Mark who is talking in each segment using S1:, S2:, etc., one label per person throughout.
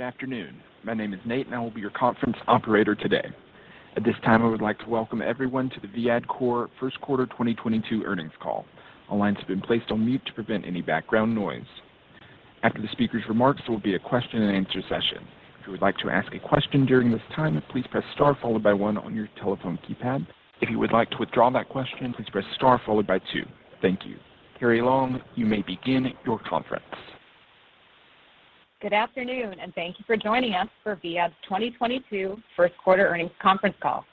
S1: Good afternoon. My name is Nate, and I will be your conference operator today. At this time, I would like to welcome everyone to the Viad Corp First Quarter 2022 Earnings Call. All lines have been placed on mute to prevent any background noise. After the speakers' remarks, there will be a question and answer session. If you would like to ask a question during this time, please press star followed by one on your telephone keypad. If you would like to withdraw that question, please press star followed by two. Thank you. Carrie Long, you may begin your conference.
S2: Good afternoon, and thank you for joining us for Viad's 2022 first quarter earnings conference call.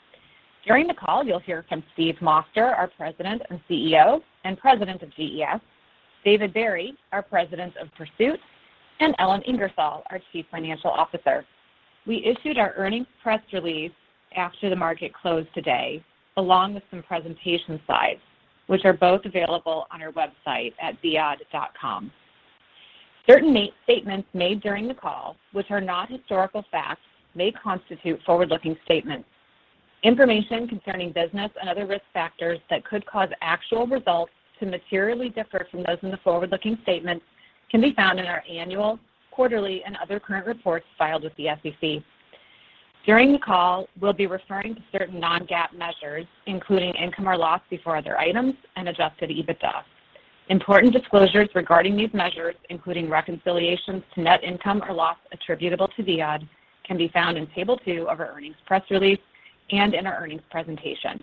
S2: During the call, you'll hear from Steve Moster, our President and CEO and President of GES, David Barry, our President of Pursuit, and Ellen Ingersoll, our Chief Financial Officer. We issued our earnings press release after the market closed today, along with some presentation slides, which are both available on our website at viad.com. Certain statements made during the call, which are not historical facts, may constitute forward-looking statements. Information concerning business and other risk factors that could cause actual results to materially differ from those in the forward-looking statements can be found in our annual, quarterly, and other current reports filed with the SEC. During the call, we'll be referring to certain non-GAAP measures, including income or loss before other items and adjusted EBITDA. Important disclosures regarding these measures, including reconciliations to net income or loss attributable to Viad, can be found in table two of our earnings press release and in our earnings presentation.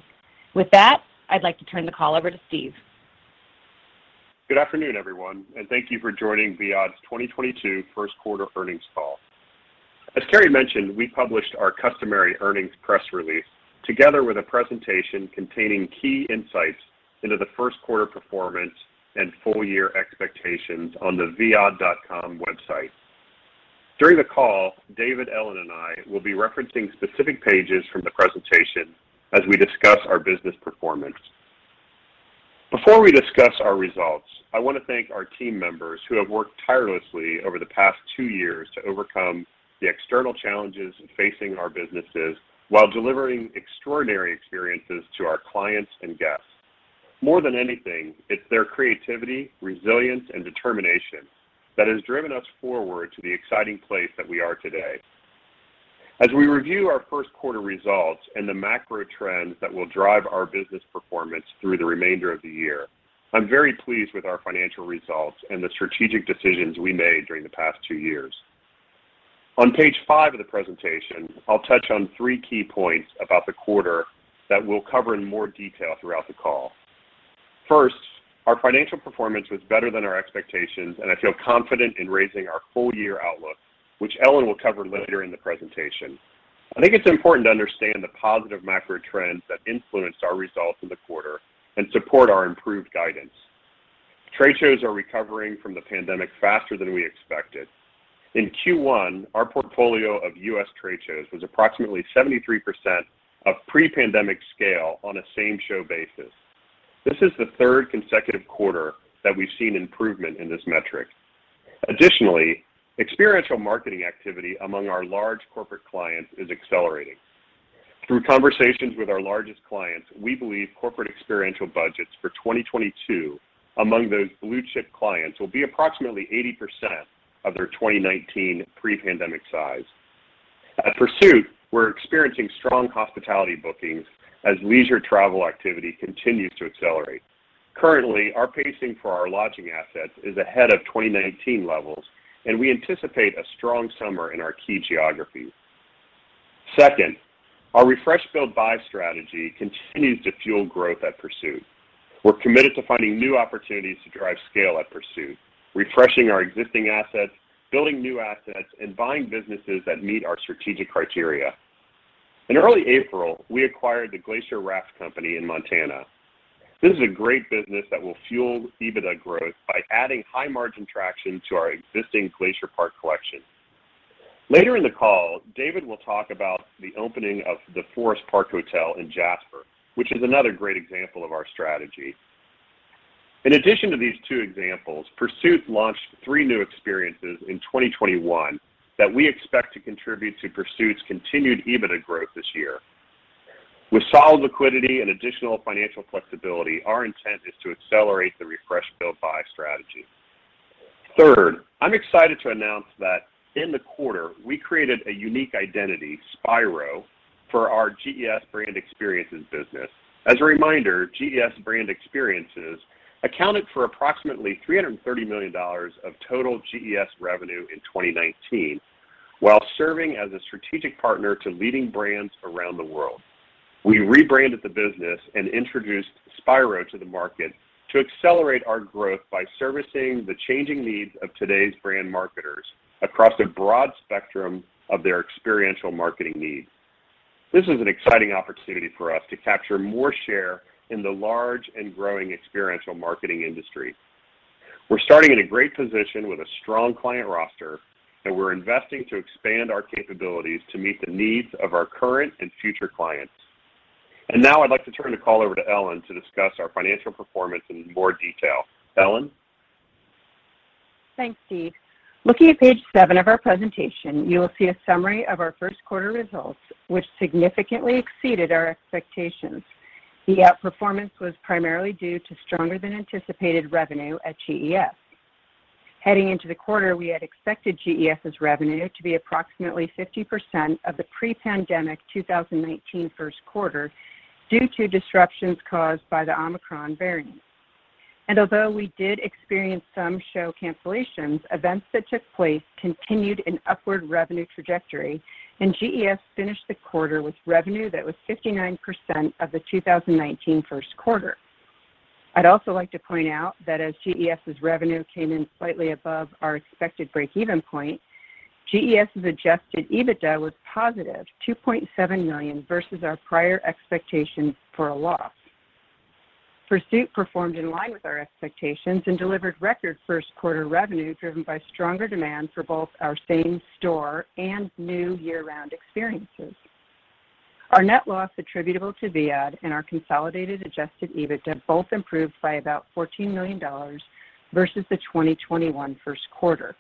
S2: With that, I'd like to turn the call over to Steve.
S3: Good afternoon, everyone, and thank you for joining Viad's 2022 first quarter earnings call. As Carrie mentioned, we published our customary earnings press release together with a presentation containing key insights into the first quarter performance and full year expectations on the viad.com website. During the call, David, Ellen, and I will be referencing specific pages from the presentation as we discuss our business performance. Before we discuss our results, I wanna thank our team members who have worked tirelessly over the past two years to overcome the external challenges facing our businesses while delivering extraordinary experiences to our clients and guests. More than anything, it's their creativity, resilience, and determination that has driven us forward to the exciting place that we are today. As we review our first quarter results and the macro trends that will drive our business performance through the remainder of the year, I'm very pleased with our financial results and the strategic decisions we made during the past two years. On page five of the presentation, I'll touch on three key points about the quarter that we'll cover in more detail throughout the call. First, our financial performance was better than our expectations, and I feel confident in raising our full year outlook, which Ellen will cover later in the presentation. I think it's important to understand the positive macro trends that influenced our results in the quarter and support our improved guidance. Trade shows are recovering from the pandemic faster than we expected. In Q1, our portfolio of US. trade shows was approximately 73% of pre-pandemic scale on a same show basis. This is the third consecutive quarter that we've seen improvement in this metric. Additionally, experiential marketing activity among our large corporate clients is accelerating. Through conversations with our largest clients, we believe corporate experiential budgets for 2022 among those blue chip clients will be approximately 80% of their 2019 pre-pandemic size. At Pursuit, we're experiencing strong hospitality bookings as leisure travel activity continues to accelerate. Currently, our pacing for our lodging assets is ahead of 2019 levels, and we anticipate a strong summer in our key geographies. Second, our Refresh, Build, Buy strategy continues to fuel growth at Pursuit. We're committed to finding new opportunities to drive scale at Pursuit, refreshing our existing assets, building new assets, and buying businesses that meet our strategic criteria. In early April, we acquired the Glacier Raft Company in Montana. This is a great business that will fuel EBITDA growth by adding high margin traction to our existing Glacier Park Collection. Later in the call, David will talk about the opening of the Forest Park Hotel in Jasper, which is another great example of our strategy. In addition to these two examples, Pursuit launched three new experiences in 2021 that we expect to contribute to Pursuit's continued EBITDA growth this year. With solid liquidity and additional financial flexibility, our intent is to accelerate the refresh build buy strategy. Third, I'm excited to announce that in the quarter, we created a unique identity, Spiro, for our GES brand experiences business. As a reminder, GES brand experiences accounted for approximately $330 million of total GES revenue in 2019 while serving as a strategic partner to leading brands around the world. We rebranded the business and introduced Spiro to the market to accelerate our growth by servicing the changing needs of today's brand marketers across a broad spectrum of their experiential marketing needs. This is an exciting opportunity for us to capture more share in the large and growing experiential marketing industry. We're starting in a great position with a strong client roster, and we're investing to expand our capabilities to meet the needs of our current and future clients. Now I'd like to turn the call over to Ellen to discuss our financial performance in more detail. Ellen?
S4: Thanks, Steve. Looking at page seven of our presentation, you will see a summary of our first quarter results, which significantly exceeded our expectations. The outperformance was primarily due to stronger than anticipated revenue at GES. Heading into the quarter, we had expected GES's revenue to be approximately 50% of the pre-pandemic 2019 first quarter due to disruptions caused by the Omicron variant. Although we did experience some show cancellations, events that took place continued an upward revenue trajectory, and GES finished the quarter with revenue that was 59% of the 2019 first quarter. I'd also like to point out that as GES's revenue came in slightly above our expected breakeven point, GES's adjusted EBITDA was positive, $2.7 million versus our prior expectations for a loss. Pursuit performed in line with our expectations and delivered record first quarter revenue driven by stronger demand for both our same store and new year-round experiences. Our net loss attributable to Viad and our consolidated adjusted EBITDA both improved by about $14 million versus the 2021 first quarter.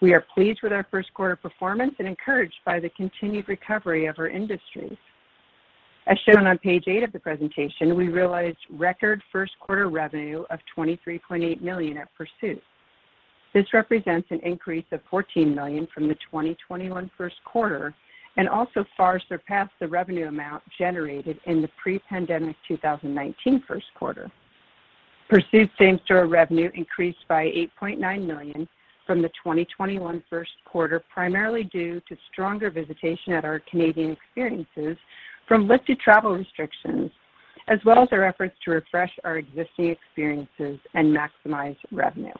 S4: We are pleased with our first quarter performance and encouraged by the continued recovery of our industry. As shown on page eight of the presentation, we realized record first quarter revenue of $23.8 million at Pursuit. This represents an increase of $14 million from the 2021 first quarter and also far surpassed the revenue amount generated in the pre-pandemic 2019 first quarter. Pursuit same-store revenue increased by $8.9 million from the 2021 first quarter, primarily due to stronger visitation at our Canadian experiences from lifted travel restrictions, as well as our efforts to refresh our existing experiences and maximize revenue.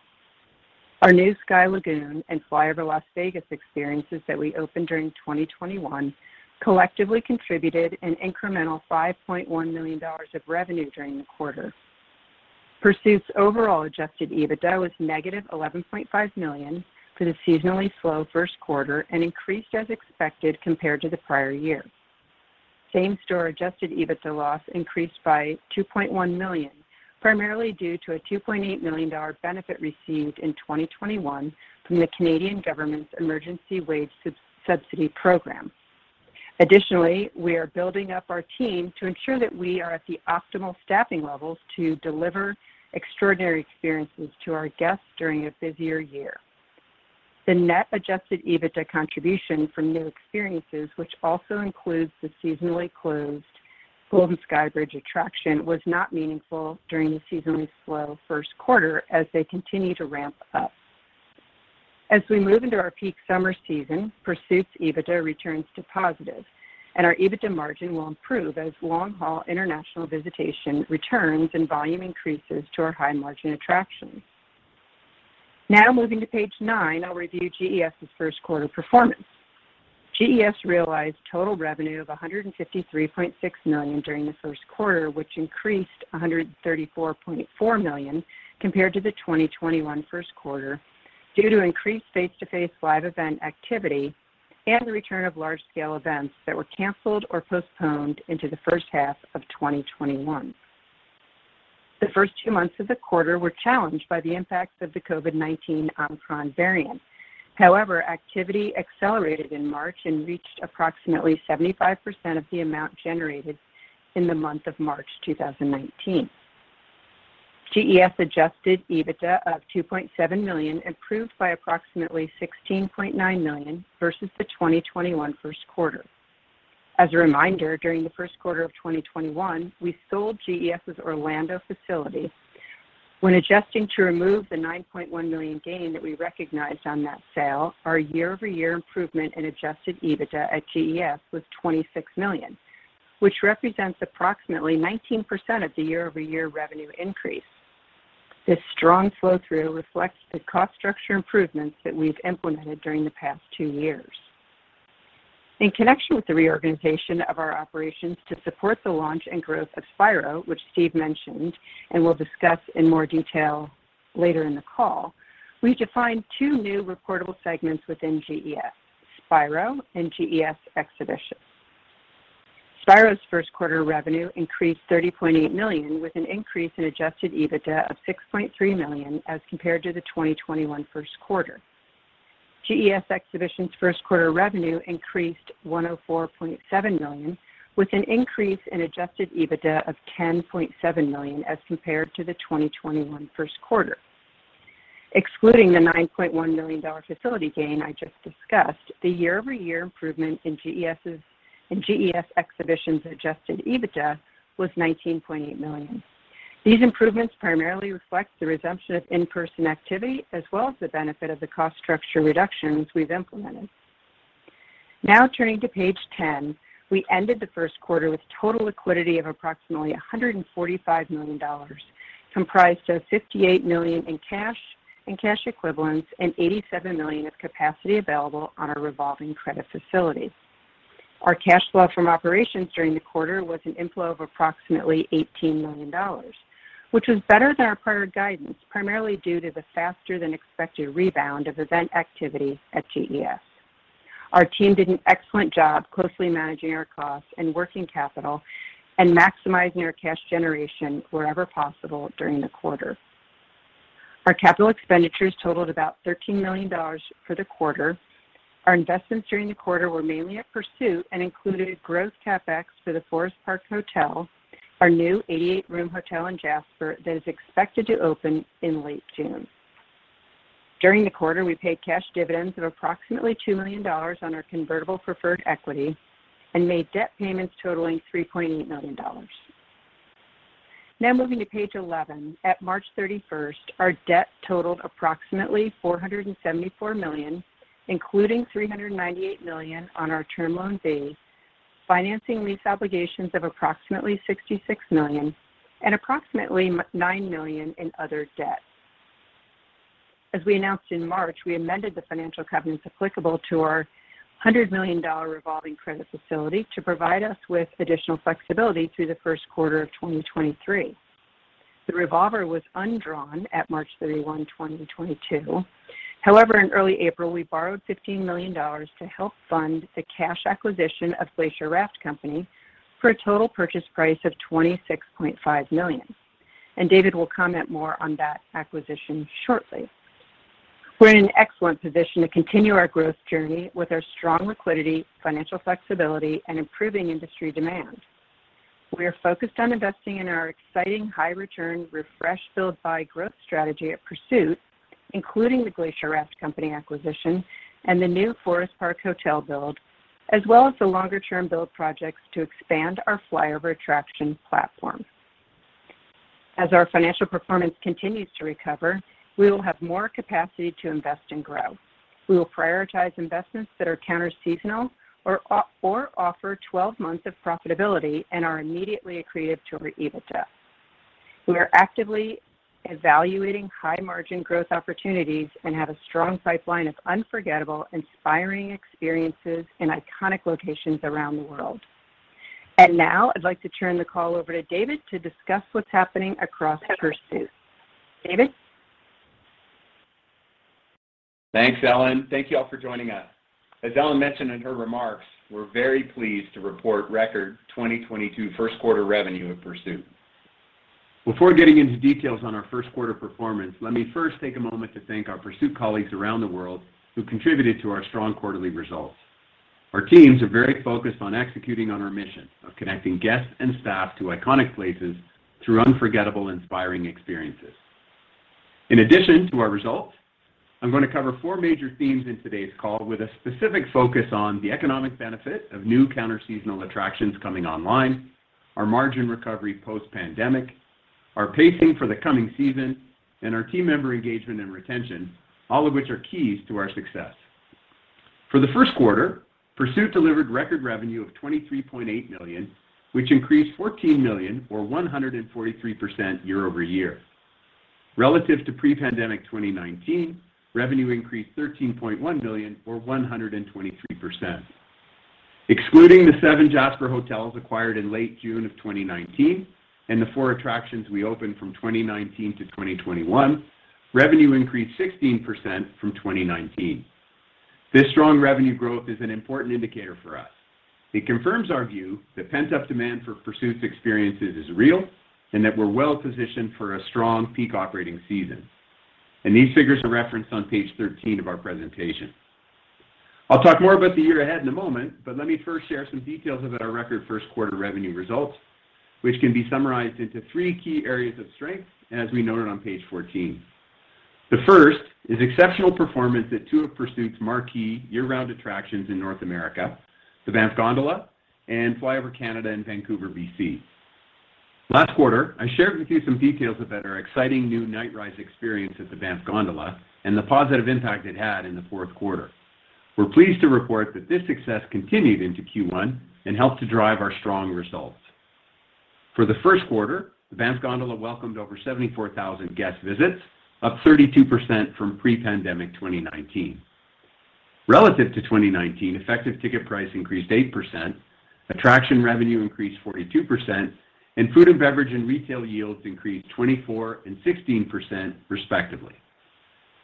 S4: Our new Sky Lagoon and FlyOver Las Vegas experiences that we opened during 2021 collectively contributed an incremental $5.1 million of revenue during the quarter. Pursuit's overall adjusted EBITDA was -$11.5 million for the seasonally slow first quarter and increased as expected compared to the prior year. Same-store adjusted EBITDA loss increased by $2.1 million, primarily due to a $2.8 million benefit received in 2021 from the Canadian government's emergency wage subsidy program. Additionally, we are building up our team to ensure that we are at the optimal staffing levels to deliver extraordinary experiences to our guests during a busier year. The net adjusted EBITDA contribution from new experiences, which also includes the seasonally closed Golden Skybridge attraction, was not meaningful during the seasonally slow first quarter as they continue to ramp up. As we move into our peak summer season, Pursuit's EBITDA returns to positive, and our EBITDA margin will improve as long-haul international visitation returns and volume increases to our high-margin attractions. Now moving to page nine, I'll review GES's first quarter performance. GES realized total revenue of $153.6 million during the first quarter, which increased $134.4 million compared to the 2021 first quarter due to increased face-to-face live event activity and the return of large-scale events that were canceled or postponed into the first half of 2021. The first two months of the quarter were challenged by the impacts of the COVID-19 Omicron variant. However, activity accelerated in March and reached approximately 75% of the amount generated in the month of March 2019. GES adjusted EBITDA of $2.7 million improved by approximately $16.9 million versus the 2021 first quarter. As a reminder, during the first quarter of 2021, we sold GES's Orlando facility. When adjusting to remove the $9.1 million gain that we recognized on that sale, our year-over-year improvement in adjusted EBITDA at GES was $26 million, which represents approximately 19% of the year-over-year revenue increase. This strong flow-through reflects the cost structure improvements that we've implemented during the past two years. In connection with the reorganization of our operations to support the launch and growth of Spiro, which Steve mentioned and we'll discuss in more detail later in the call, we defined two new reportable segments within GES, Spiro and GES Exhibitions. Spiro's first quarter revenue increased $30.8 million with an increase in adjusted EBITDA of $6.3 million as compared to the 2021 first quarter. GES Exhibitions' first quarter revenue increased $104.7 million with an increase in adjusted EBITDA of $10.7 million as compared to the 2021 first quarter. Excluding the $9.1 million facility gain I just discussed, the year-over-year improvement in GES Exhibitions' adjusted EBITDA was $19.8 million. These improvements primarily reflect the resumption of in-person activity as well as the benefit of the cost structure reductions we've implemented. Now turning to page 10, we ended the first quarter with total liquidity of approximately $145 million, comprised of $58 million in cash and cash equivalents and $87 million of capacity available on our revolving credit facility. Our cash flow from operations during the quarter was an inflow of approximately $18 million, which was better than our prior guidance, primarily due to the faster-than-expected rebound of event activity at GES. Our team did an excellent job closely managing our costs and working capital and maximizing our cash generation wherever possible during the quarter. Our capital expenditures totaled about $13 million for the quarter. Our investments during the quarter were mainly at Pursuit and included gross CapEx for the Forest Park Hotel, our new 88-room hotel in Jasper that is expected to open in late June. During the quarter, we paid cash dividends of approximately $2 million on our convertible preferred equity and made debt payments totaling $3.8 million. Now moving to page 11. As of March 31, our debt totaled approximately $474 million, including $398 million on our Term Loan B, financing lease obligations of approximately $66 million, and approximately $9 million in other debts. We announced in March, we amended the financial covenants applicable to our $100 million revolving credit facility to provide us with additional flexibility through the first quarter of 2023. The revolver was undrawn at March 31, 2022. In early April, we borrowed $15 million to help fund the cash acquisition of Glacier Raft Company for a total purchase price of $26.5 million, and David will comment more on that acquisition shortly. We're in an excellent position to continue our growth journey with our strong liquidity, financial flexibility, and improving industry demand. We are focused on investing in our exciting high return refresh build by growth strategy at Pursuit, including the Glacier Raft Company acquisition and the new Forest Park Hotel build, as well as the longer term build projects to expand our FlyOver attraction platform. As our financial performance continues to recover, we will have more capacity to invest and grow. We will prioritize investments that are counter seasonal or offer 12 months of profitability and are immediately accretive to our EBITDA. We are actively evaluating high margin growth opportunities and have a strong pipeline of unforgettable, inspiring experiences in iconic locations around the world. Now I'd like to turn the call over to David to discuss what's happening across Pursuit. David.
S5: Thanks, Ellen. Thank you all for joining us. As Ellen mentioned in her remarks, we're very pleased to report record 2022 first quarter revenue at Pursuit. Before getting into details on our first quarter performance, let me first take a moment to thank our Pursuit colleagues around the world who contributed to our strong quarterly results. Our teams are very focused on executing on our mission of connecting guests and staff to iconic places through unforgettable, inspiring experiences. In addition to our results, I'm gonna cover four major themes in today's call with a specific focus on the economic benefit of new counter seasonal attractions coming online, our margin recovery post-pandemic, our pacing for the coming season, and our team member engagement and retention, all of which are keys to our success. For the first quarter, Pursuit delivered record revenue of $23.8 million, which increased $14 million or 143% year-over-year. Relative to pre-pandemic 2019, revenue increased $13.1 million or 123%. Excluding the seven Jasper hotels acquired in late June of 2019 and the four attractions we opened from 2019 to 2021, revenue increased 16% from 2019. This strong revenue growth is an important indicator for us. It confirms our view that pent-up demand for Pursuit's experiences is real and that we're well-positioned for a strong peak operating season. These figures are referenced on page 13 of our presentation. I'll talk more about the year ahead in a moment, but let me first share some details about our record first quarter revenue results, which can be summarized into three key areas of strength as we noted on page 14. The first is exceptional performance at two of Pursuit's marquee year-round attractions in North America, the Banff Gondola and FlyOver Canada in Vancouver, BC. Last quarter, I shared with you some details about our exciting new Nightrise experience at the Banff Gondola and the positive impact it had in the fourth quarter. We're pleased to report that this success continued into Q1 and helped to drive our strong results. For the first quarter, the Banff Gondola welcomed over 74,000 guest visits, up 32% from pre-pandemic 2019. Relative to 2019, effective ticket price increased 8%, attraction revenue increased 42%, and food and beverage and retail yields increased 24% and 16% respectively.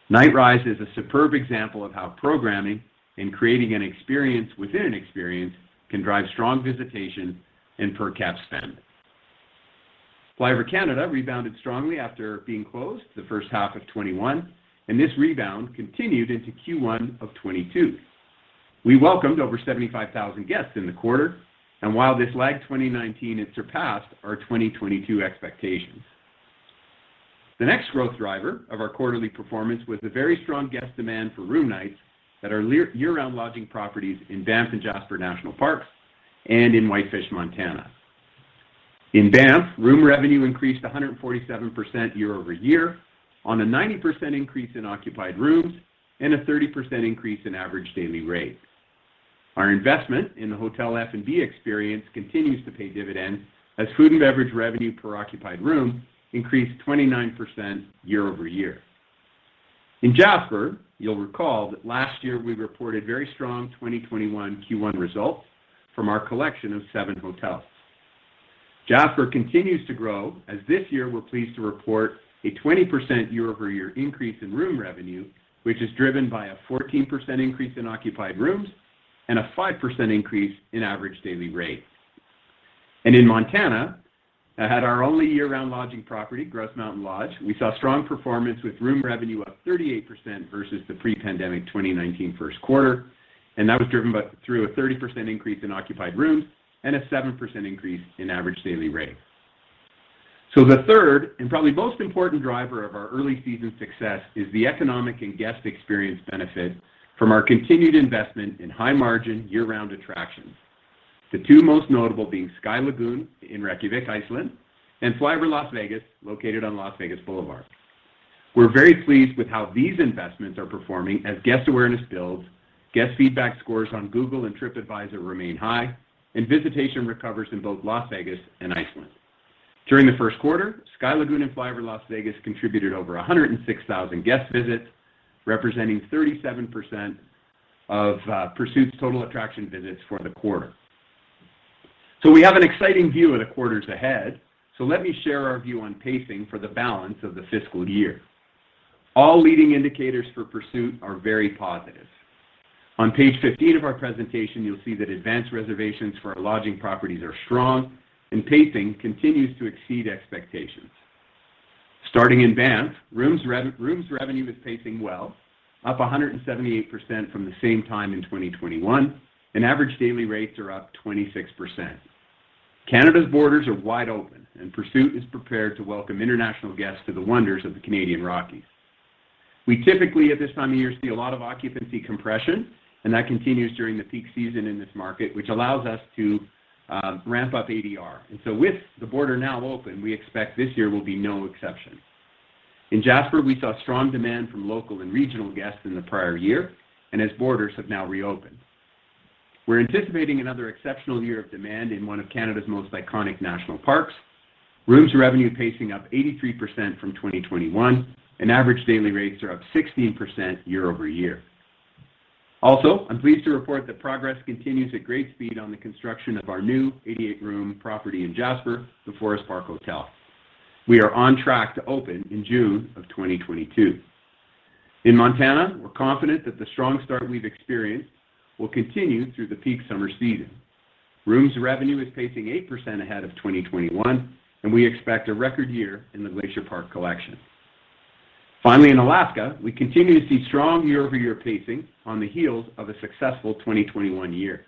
S5: Nightrise is a superb example of how programming and creating an experience within an experience can drive strong visitation and per cap spend. FlyOver Canada rebounded strongly after being closed the first half of 2021, and this rebound continued into Q1 of 2022. We welcomed over 75,000 guests in the quarter, and while this lagged 2019, it surpassed our 2022 expectations. The next growth driver of our quarterly performance was the very strong guest demand for room nights at our year-round lodging properties in Banff and Jasper National Parks and in Whitefish, Montana. In Banff, room revenue increased 147% year over year on a 90% increase in occupied rooms and a 30% increase in average daily rate. Our investment in the hotel F&B experience continues to pay dividends as food and beverage revenue per occupied room increased 29% year over year. In Jasper, you'll recall that last year we reported very strong 2021 Q1 results from our collection of seven hotels. Jasper continues to grow, as this year we're pleased to report a 20% year-over-year increase in room revenue, which is driven by a 14% increase in occupied rooms and a 5% increase in average daily rate. In Montana, at our only year-round lodging property, Grouse Mountain Lodge, we saw strong performance with room revenue up 38% versus the pre-pandemic 2019 first quarter, and that was driven by, through a 30% increase in occupied rooms and a 7% increase in average daily rate. The third, and probably most important driver of our early season success, is the economic and guest experience benefit from our continued investment in high margin year-round attractions. The two most notable being Sky Lagoon in Reykjavík, Iceland, and FlyOver Las Vegas located on Las Vegas Boulevard. We're very pleased with how these investments are performing as guest awareness builds, guest feedback scores on Google and Tripadvisor remain high, and visitation recovers in both Las Vegas and Iceland. During the first quarter, Sky Lagoon and FlyOver Las Vegas contributed over 106,000 guest visits, representing 37% of Pursuit's total attraction visits for the quarter. We have an exciting view of the quarters ahead. Let me share our view on pacing for the balance of the fiscal year. All leading indicators for Pursuit are very positive. On page 15 of our presentation, you'll see that advance reservations for our lodging properties are strong and pacing continues to exceed expectations. Starting in Banff, rooms revenue is pacing well, up 178% from the same time in 2021, and average daily rates are up 26%. Canada's borders are wide open, and Pursuit is prepared to welcome international guests to the wonders of the Canadian Rockies. We typically, at this time of year, see a lot of occupancy compression, and that continues during the peak season in this market, which allows us to ramp up ADR. With the border now open, we expect this year will be no exception. In Jasper, we saw strong demand from local and regional guests in the prior year, and as borders have now reopened. We're anticipating another exceptional year of demand in one of Canada's most iconic national parks. Rooms revenue pacing up 83% from 2021, and average daily rates are up 16% year-over-year. Also, I'm pleased to report that progress continues at great speed on the construction of our new 88-room property in Jasper, the Forest Park Hotel. We are on track to open in June of 2022. In Montana, we're confident that the strong start we've experienced will continue through the peak summer season. Rooms revenue is pacing 8% ahead of 2021, and we expect a record year in the Glacier Park Collection. Finally, in Alaska, we continue to see strong year-over-year pacing on the heels of a successful 2021 year.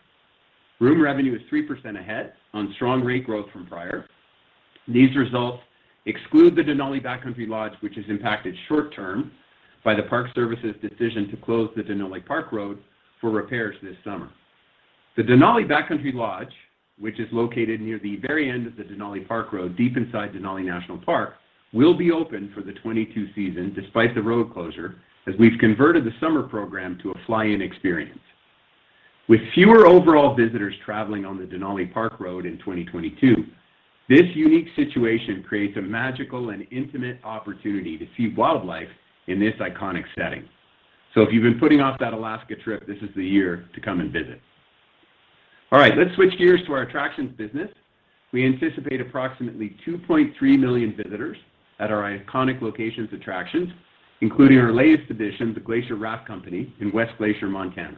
S5: Room revenue is 3% ahead on strong rate growth from prior. These results exclude the Denali Backcountry Lodge, which is impacted short term by the National Park Service's decision to close the Denali Park Road for repairs this summer. The Denali Backcountry Lodge, which is located near the very end of the Denali Park Road, deep inside Denali National Park, will be open for the 2022 season despite the road closure, as we've converted the summer program to a fly-in experience. With fewer overall visitors traveling on the Denali Park Road in 2022, this unique situation creates a magical and intimate opportunity to see wildlife in this iconic setting. If you've been putting off that Alaska trip, this is the year to come and visit. All right, let's switch gears to our attractions business. We anticipate approximately 2.3 million visitors at our iconic locations attractions, including our latest addition, the Glacier Raft Company in West Glacier, Montana.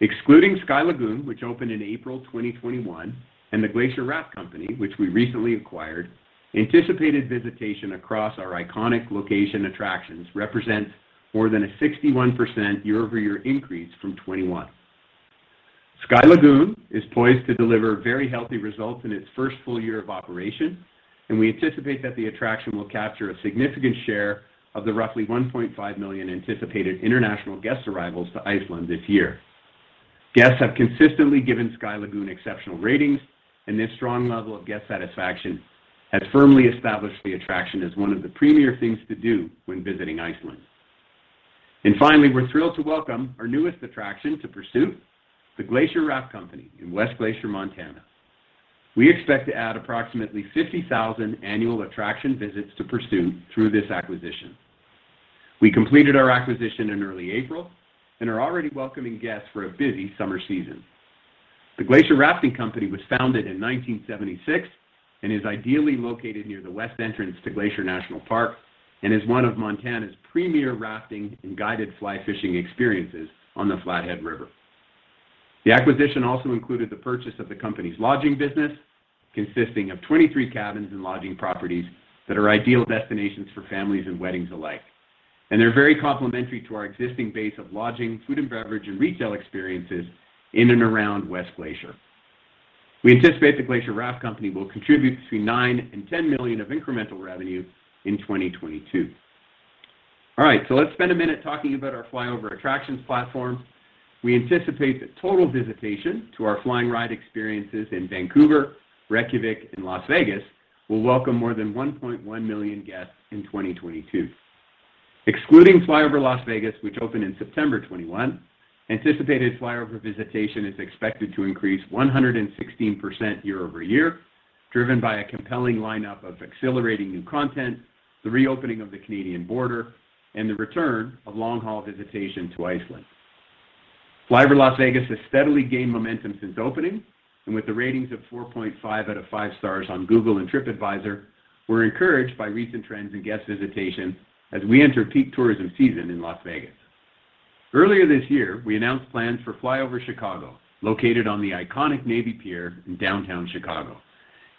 S5: Excluding Sky Lagoon, which opened in April 2021, and the Glacier Raft Company, which we recently acquired, anticipated visitation across our iconic location attractions represents more than a 61% year-over-year increase from 2021. Sky Lagoon is poised to deliver very healthy results in its first full year of operation, and we anticipate that the attraction will capture a significant share of the roughly 1.5 million anticipated international guest arrivals to Iceland this year. Guests have consistently given Sky Lagoon exceptional ratings, and this strong level of guest satisfaction has firmly established the attraction as one of the premier things to do when visiting Iceland. Finally, we're thrilled to welcome our newest attraction to Pursuit, the Glacier Raft Company in West Glacier, Montana. We expect to add approximately 50,000 annual attraction visits to Pursuit through this acquisition. We completed our acquisition in early April and are already welcoming guests for a busy summer season. The Glacier Raft Company was founded in 1976 and is ideally located near the west entrance to Glacier National Park and is one of Montana's premier rafting and guided fly fishing experiences on the Flathead River. The acquisition also included the purchase of the company's lodging business, consisting of 23 cabins and lodging properties that are ideal destinations for families and weddings alike. They're very complementary to our existing base of lodging, food and beverage, and retail experiences in and around West Glacier. We anticipate the Glacier Raft Company will contribute between $9 million and $10 million of incremental revenue in 2022. All right, so let's spend a minute talking about our FlyOver attractions platform. We anticipate that total visitation to our FlyOver experiences in Vancouver, Reykjavík, and Las Vegas will welcome more than 1.1 million guests in 2022. Excluding FlyOver Las Vegas, which opened in September 2021, anticipated FlyOver visitation is expected to increase 116% year-over-year, driven by a compelling lineup of exhilarating new content, the reopening of the Canadian border, and the return of long-haul visitation to Iceland. FlyOver Las Vegas has steadily gained momentum since opening, and with the ratings of 4.5 out of 5 stars on Google and Tripadvisor, we're encouraged by recent trends in guest visitation as we enter peak tourism season in Las Vegas. Earlier this year, we announced plans for FlyOver Chicago, located on the iconic Navy Pier in downtown Chicago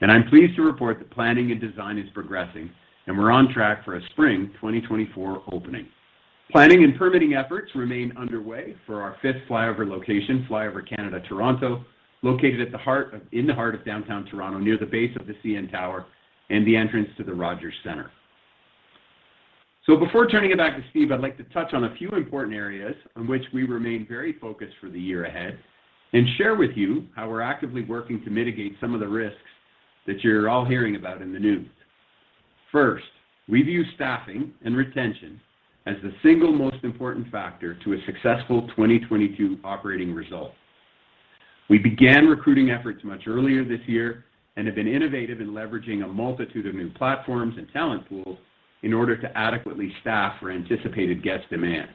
S5: and I'm pleased to report that planning and design is progressing, and we're on track for a spring 2024 opening. Planning and permitting efforts remain underway for our fifth FlyOver location, FlyOver Canada Toronto, located in the heart of downtown Toronto, near the base of the CN Tower and the entrance to the Rogers Centre. Before turning it back to Steve, I'd like to touch on a few important areas on which we remain very focused for the year ahead and share with you how we're actively working to mitigate some of the risks that you're all hearing about in the news. First, we view staffing and retention as the single most important factor to a successful 2022 operating result. We began recruiting efforts much earlier this year and have been innovative in leveraging a multitude of new platforms and talent pools in order to adequately staff for anticipated guest demand.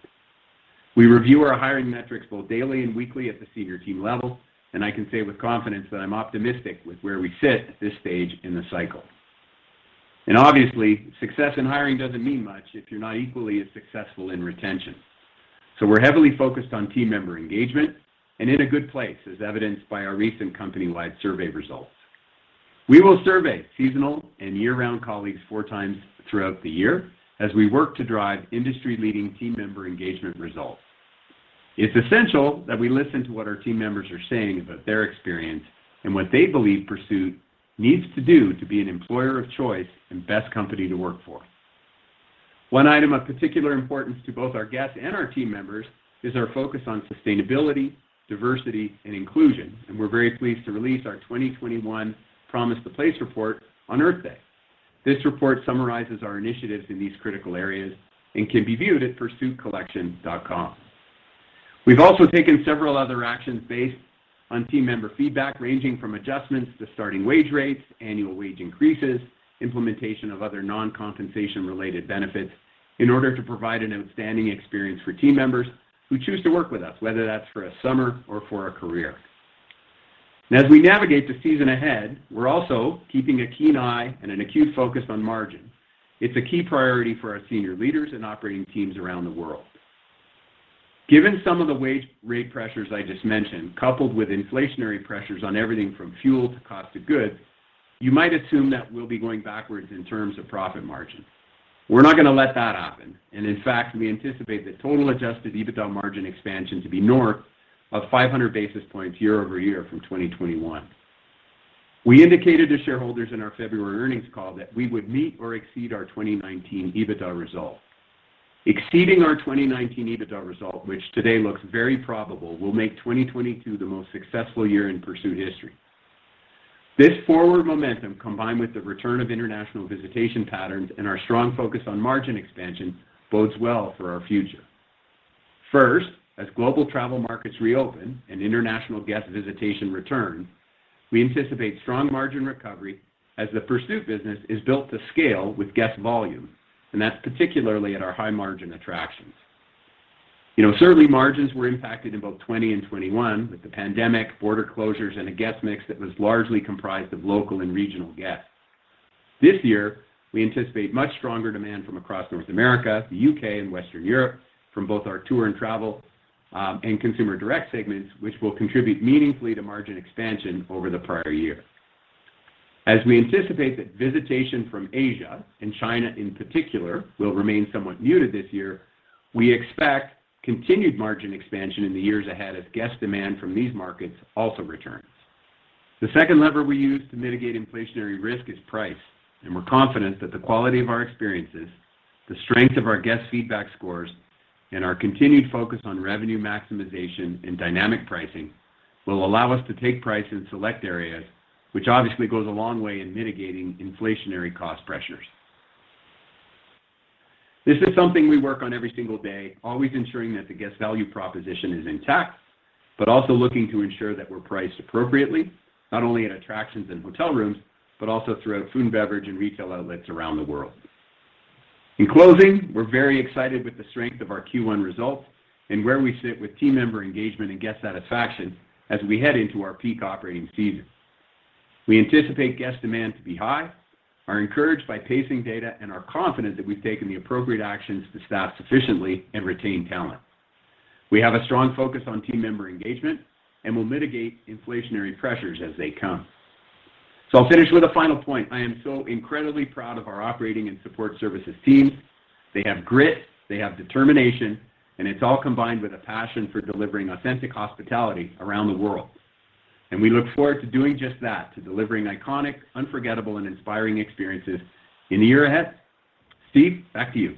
S5: We review our hiring metrics both daily and weekly at the senior team level, and I can say with confidence that I'm optimistic with where we sit at this stage in the cycle. Obviously, success in hiring doesn't mean much if you're not equally as successful in retention. We're heavily focused on team member engagement and in a good place, as evidenced by our recent company-wide survey results. We will survey seasonal and year-round colleagues four times throughout the year as we work to drive industry-leading team member engagement results. It's essential that we listen to what our team members are saying about their experience and what they believe Pursuit needs to do to be an employer of choice and best company to work for. One item of particular importance to both our guests and our team members is our focus on sustainability, diversity, and inclusion, and we're very pleased to release our 2021 Promise to Place report on Earth Day. This report summarizes our initiatives in these critical areas and can be viewed at pursuitcollection.com. We've also taken several other actions based on team member feedback, ranging from adjustments to starting wage rates, annual wage increases, implementation of other non-compensation related benefits in order to provide an outstanding experience for team members who choose to work with us, whether that's for a summer or for a career. As we navigate the season ahead, we're also keeping a keen eye and an acute focus on margin. It's a key priority for our senior leaders and operating teams around the world. Given some of the wage rate pressures I just mentioned, coupled with inflationary pressures on everything from fuel to cost of goods, you might assume that we'll be going backwards in terms of profit margin. We're not gonna let that happen, and in fact, we anticipate the total adjusted EBITDA margin expansion to be north of 500 basis points year-over-year from 2021. We indicated to shareholders in our February earnings call that we would meet or exceed our 2019 EBITDA result. Exceeding our 2019 EBITDA result, which today looks very probable, will make 2022 the most successful year in Pursuit history. This forward momentum, combined with the return of international visitation patterns and our strong focus on margin expansion, bodes well for our future. First, as global travel markets reopen and international guest visitation return, we anticipate strong margin recovery as the Pursuit business is built to scale with guest volume, and that's particularly at our high-margin attractions. You know, certainly margins were impacted in both 2020 and 2021 with the pandemic, border closures, and a guest mix that was largely comprised of local and regional guests. This year, we anticipate much stronger demand from across North America, the UK, and Western Europe from both our tour and travel, and consumer direct segments, which will contribute meaningfully to margin expansion over the prior year. As we anticipate that visitation from Asia and China, in particular, will remain somewhat muted this year, we expect continued margin expansion in the years ahead as guest demand from these markets also returns. The second lever we use to mitigate inflationary risk is price, and we're confident that the quality of our experiences, the strength of our guest feedback scores, and our continued focus on revenue maximization and dynamic pricing will allow us to take price in select areas, which obviously goes a long way in mitigating inflationary cost pressures. This is something we work on every single day, always ensuring that the guest value proposition is intact, but also looking to ensure that we're priced appropriately, not only in attractions and hotel rooms, but also throughout food and beverage and retail outlets around the world. In closing, we're very excited with the strength of our Q1 results and where we sit with team member engagement and guest satisfaction as we head into our peak operating season. We anticipate guest demand to be high, are encouraged by pacing data, and are confident that we've taken the appropriate actions to staff sufficiently and retain talent. We have a strong focus on team member engagement, and we'll mitigate inflationary pressures as they come. I'll finish with a final point. I am so incredibly proud of our operating and support services teams. They have grit, they have determination, and it's all combined with a passion for delivering authentic hospitality around the world, and we look forward to doing just that, to delivering iconic, unforgettable, and inspiring experiences in the year ahead. Steve, back to you.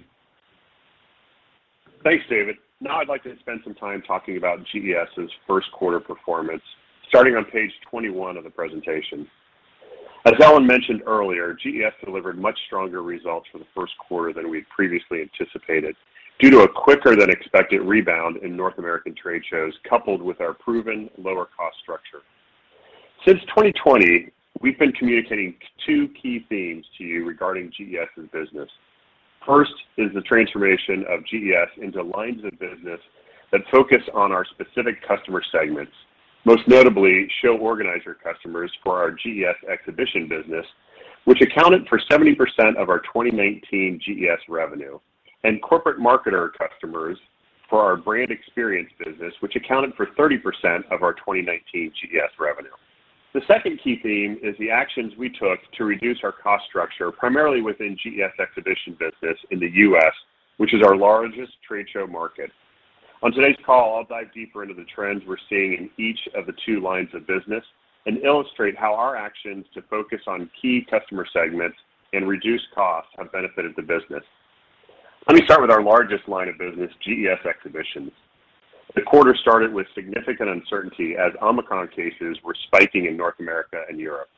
S3: Thanks, David Barry. Now I'd like to spend some time talking about GES' first quarter performance, starting on page 21 of the presentation. As Ellen mentioned earlier, GES delivered much stronger results for the first quarter than we had previously anticipated due to a quicker than expected rebound in North American trade shows, coupled with our proven lower cost structure. Since 2020, we've been communicating two key themes to you regarding GES's business. First is the transformation of GES into lines of business that focus on our specific customer segments, most notably show organizer customers for our GES exhibition business, which accounted for 70% of our 2019 GES revenue and corporate marketer customers for our brand experience business, which accounted for 30% of our 2019 GES revenue. The second key theme is the actions we took to reduce our cost structure, primarily within GES Exhibitions business in the U.S., which is our largest trade show market. On today's call, I'll dive deeper into the trends we're seeing in each of the two lines of business and illustrate how our actions to focus on key customer segments and reduce costs have benefited the business. Let me start with our largest line of business, GES Exhibitions. The quarter started with significant uncertainty as Omicron cases were spiking in North America and Europe.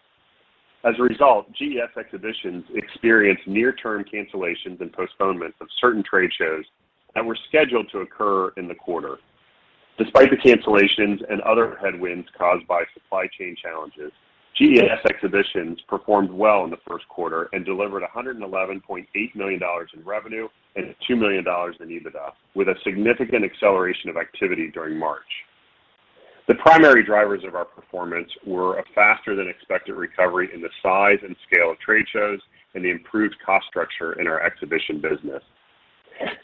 S3: As a result, GES Exhibitions experienced near-term cancellations and postponements of certain trade shows that were scheduled to occur in the quarter. Despite the cancellations and other headwinds caused by supply chain challenges, GES Exhibitions performed well in the first quarter and delivered $111.8 million in revenue and $2 million in EBITDA, with a significant acceleration of activity during March. The primary drivers of our performance were a faster than expected recovery in the size and scale of trade shows and the improved cost structure in our exhibition business.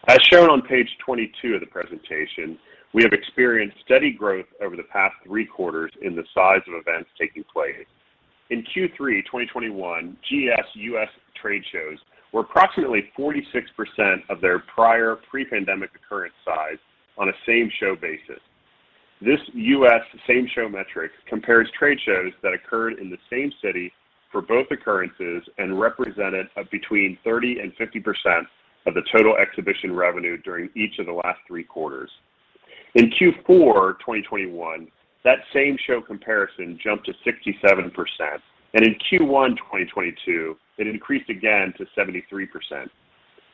S3: As shown on page 22 of the presentation, we have experienced steady growth over the past three quarters in the size of events taking place. In Q3 2021, GES US trade shows were approximately 46% of their prior pre-pandemic occurrence size on a same show basis. This U.S. same show metric compares trade shows that occurred in the same city for both occurrences and represented between 30%-50% of the total exhibition revenue during each of the last three quarters. In Q4 2021, that same show comparison jumped to 67%, and in Q1 2022, it increased again to 73%.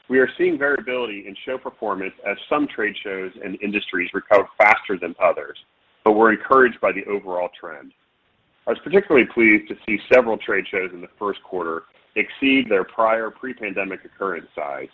S3: We are seeing variability in show performance as some trade shows and industries recover faster than others, but we're encouraged by the overall trend. I was particularly pleased to see several trade shows in the first quarter exceed their prior pre-pandemic occurrence size.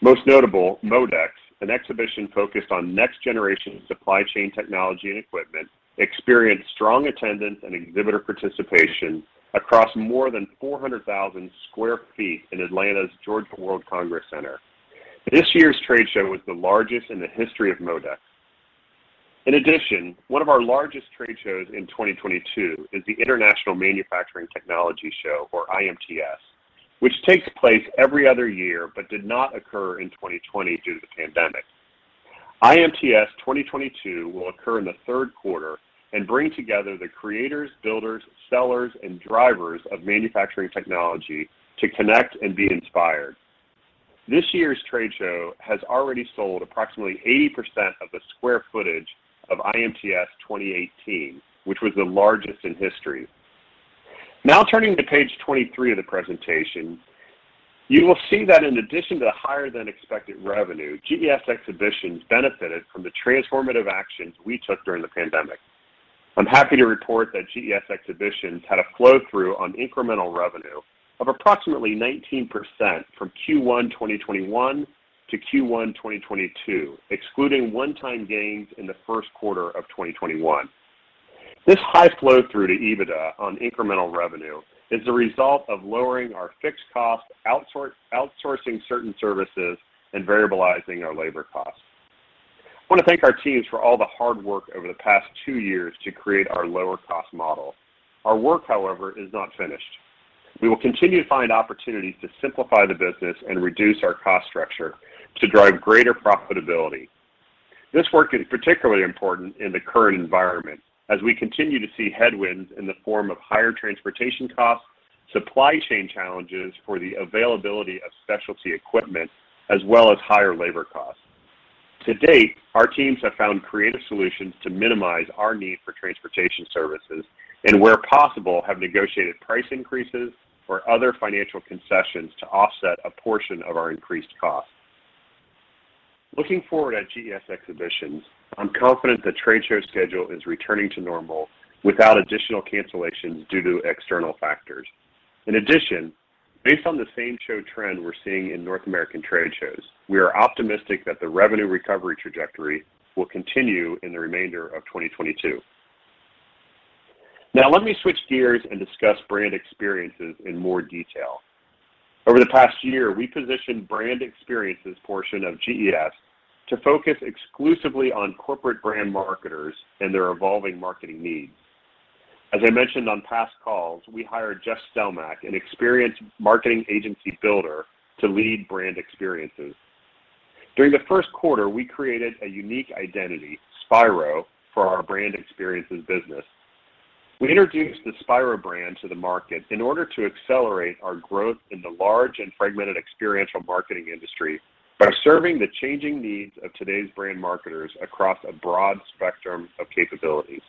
S3: Most notable, MODEX, an exhibition focused on next-generation supply chain technology and equipment, experienced strong attendance and exhibitor participation across more than 400,000 sq ft in Atlanta's Georgia World Congress Center. This year's trade show was the largest in the history of MODEX. In addition, one of our largest trade shows in 2022 is the International Manufacturing Technology Show or IMTS, which takes place every other year but did not occur in 2020 due to the pandemic. IMTS 2022 will occur in the third quarter and bring together the creators, builders, sellers, and drivers of manufacturing technology to connect and be inspired. This year's trade show has already sold approximately 80% of the square footage of IMTS 2018, which was the largest in history. Now turning to page 23 of the presentation, you will see that in addition to the higher than expected revenue, GES Exhibitions benefited from the transformative actions we took during the pandemic. I'm happy to report that GES Exhibitions had a flow-through on incremental revenue of approximately 19% from Q1 2021 to Q1 2022, excluding one-time gains in the first quarter of 2021. This high flow-through to EBITDA on incremental revenue is the result of lowering our fixed costs, outsourcing certain services, and variabilizing our labor costs. I want to thank our teams for all the hard work over the past two years to create our lower-cost model. Our work, however, is not finished. We will continue to find opportunities to simplify the business and reduce our cost structure to drive greater profitability. This work is particularly important in the current environment as we continue to see headwinds in the form of higher transportation costs, supply chain challenges for the availability of specialty equipment, as well as higher labor costs. To date, our teams have found creative solutions to minimize our need for transportation services and where possible, have negotiated price increases or other financial concessions to offset a portion of our increased costs. Looking forward at GES Exhibitions, I'm confident the trade show schedule is returning to normal without additional cancellations due to external factors. In addition, based on the same show trend we're seeing in North American trade shows, we are optimistic that the revenue recovery trajectory will continue in the remainder of 2022. Now let me switch gears and discuss brand experiences in more detail. Over the past year, we positioned brand experiences portion of GES to focus exclusively on corporate brand marketers and their evolving marketing needs. As I mentioned on past calls, we hired Jeff Stelmach, an experienced marketing agency builder, to lead brand experiences. During the first quarter, we created a unique identity, Spiro, for our brand experiences business. We introduced the Spiro brand to the market in order to accelerate our growth in the large and fragmented experiential marketing industry by serving the changing needs of today's brand marketers across a broad spectrum of capabilities.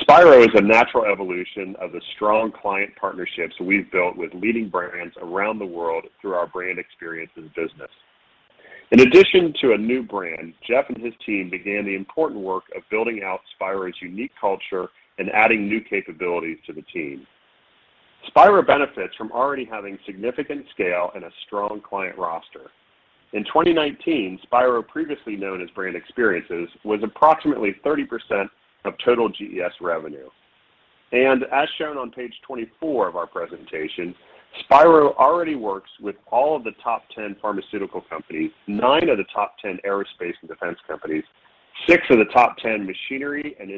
S3: Spiro is a natural evolution of the strong client partnerships we've built with leading brands around the world through our Brand Experiences business. In addition to a new brand, Jeff and his team began the important work of building out Spiro's unique culture and adding new capabilities to the team. Spiro benefits from already having significant scale and a strong client roster. In 2019, Spiro, previously known as Brand Experiences, was approximately 30% of total GES revenue. As shown on page 24 of our presentation, Spiro already works with all of the top 10 pharmaceutical companies, nine of the top 10 aerospace and defense companies, six of the top 10 machinery and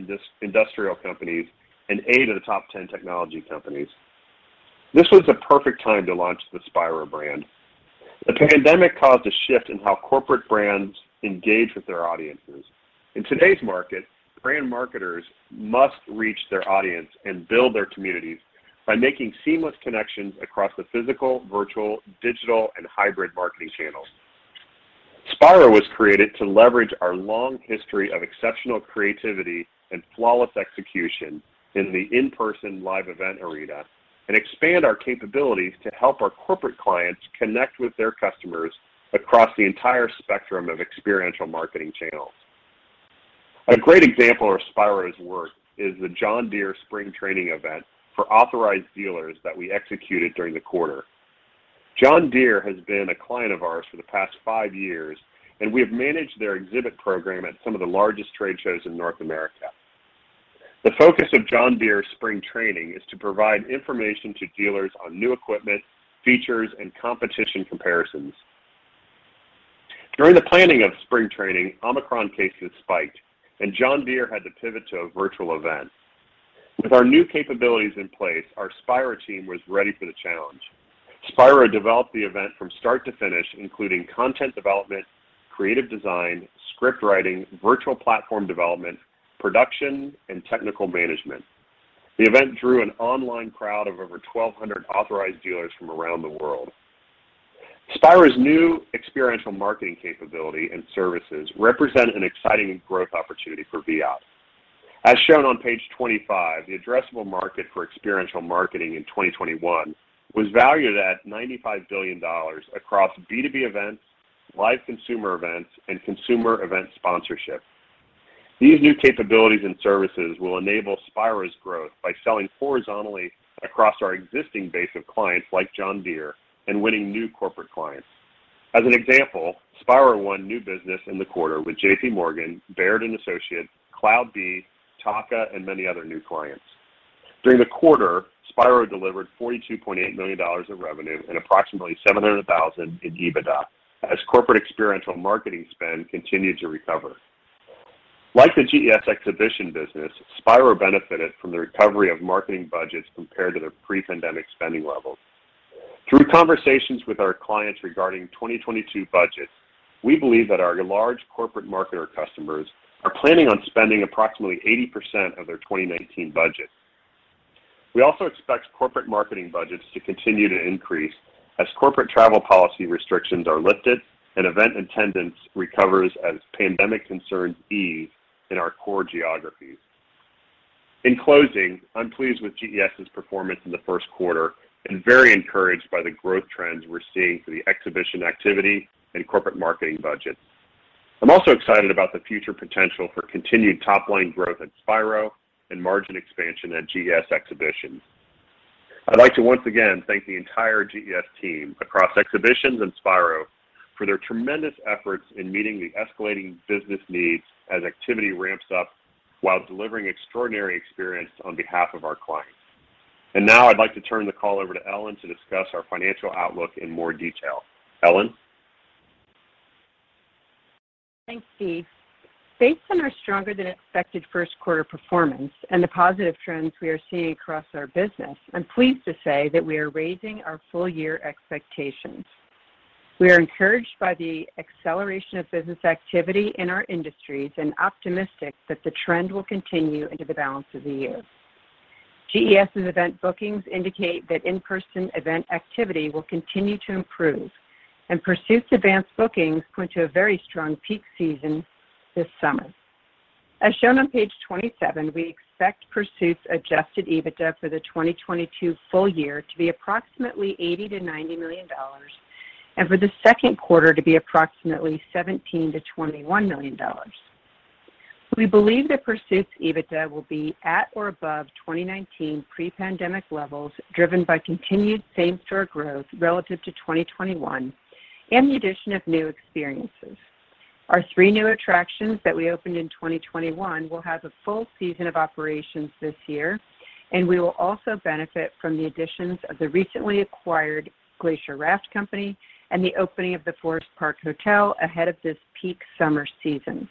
S3: industrial companies, and eight of the top 10 technology companies. This was the perfect time to launch the Spiro brand. The pandemic caused a shift in how corporate brands engage with their audiences. In today's market, brand marketers must reach their audience and build their communities by making seamless connections across the physical, virtual, digital, and hybrid marketing channels. Spiro was created to leverage our long history of exceptional creativity and flawless execution in the in-person live event arena and expand our capabilities to help our corporate clients connect with their customers across the entire spectrum of experiential marketing channels. A great example of Spiro's work is the John Deere Spring Training event for authorized dealers that we executed during the quarter. John Deere has been a client of ours for the past five years, and we have managed their exhibit program at some of the largest trade shows in North America. The focus of John Deere Spring Training is to provide information to dealers on new equipment, features, and competition comparisons. During the planning of Spring Training, Omicron cases spiked, and John Deere had to pivot to a virtual event. With our new capabilities in place, our Spiro team was ready for the challenge. Spiro developed the event from start to finish, including content development, creative design, script writing, virtual platform development, production, and technical management. The event drew an online crowd of over 1,200 authorized dealers from around the world. Spiro's new experiential marketing capability and services represent an exciting growth opportunity for Viad. As shown on page 25, the addressable market for experiential marketing in 2021 was valued at $95 billion across B2B events, live consumer events, and consumer event sponsorship. These new capabilities and services will enable Spiro's growth by selling horizontally across our existing base of clients like John Deere and winning new corporate clients. As an example, Spiro won new business in the quarter with JPMorgan, Baird, CloudBees, Takeda, and many other new clients. During the quarter, Spiro delivered $42.8 million of revenue and approximately $700,000 in EBITDA as corporate experiential marketing spend continued to recover. Like the GES exhibition business, Spiro benefited from the recovery of marketing budgets compared to their pre-pandemic spending levels. Through conversations with our clients regarding 2022 budgets, we believe that our large corporate marketer customers are planning on spending approximately 80% of their 2019 budget. We also expect corporate marketing budgets to continue to increase as corporate travel policy restrictions are lifted and event attendance recovers as pandemic concerns ease in our core geographies. In closing, I'm pleased with GES's performance in the first quarter and very encouraged by the growth trends we're seeing for the exhibition activity and corporate marketing budget. I'm also excited about the future potential for continued top-line growth at Spiro and margin expansion at GES Exhibitions. I'd like to once again thank the entire GES team across Exhibitions and Spiro for their tremendous efforts in meeting the escalating business needs as activity ramps up while delivering extraordinary experience on behalf of our clients. Now I'd like to turn the call over to Ellen to discuss our financial outlook in more detail. Ellen?
S4: Thanks, Steve. Based on our stronger than expected first quarter performance and the positive trends we are seeing across our business, I'm pleased to say that we are raising our full year expectations. We are encouraged by the acceleration of business activity in our industries and optimistic that the trend will continue into the balance of the year. GES's event bookings indicate that in-person event activity will continue to improve and Pursuit's advanced bookings point to a very strong peak season this summer. As shown on page 27, we expect Pursuit's adjusted EBITDA for the 2022 full year to be approximately $80 million-$90 million and for the second quarter to be approximately $17 million-$21 million. We believe that Pursuit's EBITDA will be at or above 2019 pre-pandemic levels, driven by continued same-store growth relative to 2021 and the addition of new experiences. Our three new attractions that we opened in 2021 will have a full season of operations this year, and we will also benefit from the additions of the recently acquired Glacier Raft Company and the opening of the Forest Park Hotel ahead of this peak summer season.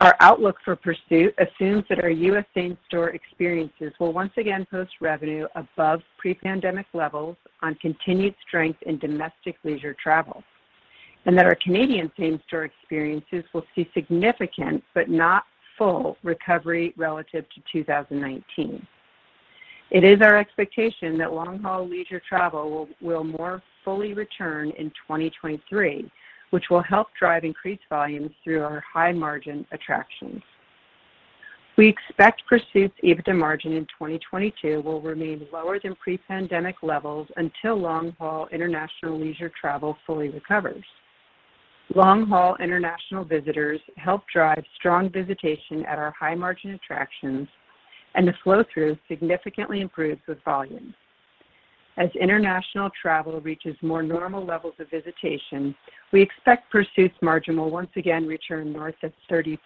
S4: Our outlook for Pursuit assumes that our U.S. same-store experiences will once again post revenue above pre-pandemic levels on continued strength in domestic leisure travel and that our Canadian same-store experiences will see significant but not full recovery relative to 2019. It is our expectation that long-haul leisure travel will more fully return in 2023, which will help drive increased volumes through our high-margin attractions. We expect Pursuit's EBITDA margin in 2022 will remain lower than pre-pandemic levels until long-haul international leisure travel fully recovers. Long-haul international visitors help drive strong visitation at our high-margin attractions, and the flow-through significantly improves with volume. As international travel reaches more normal levels of visitation, we expect Pursuit's margin will once again return north of 30%.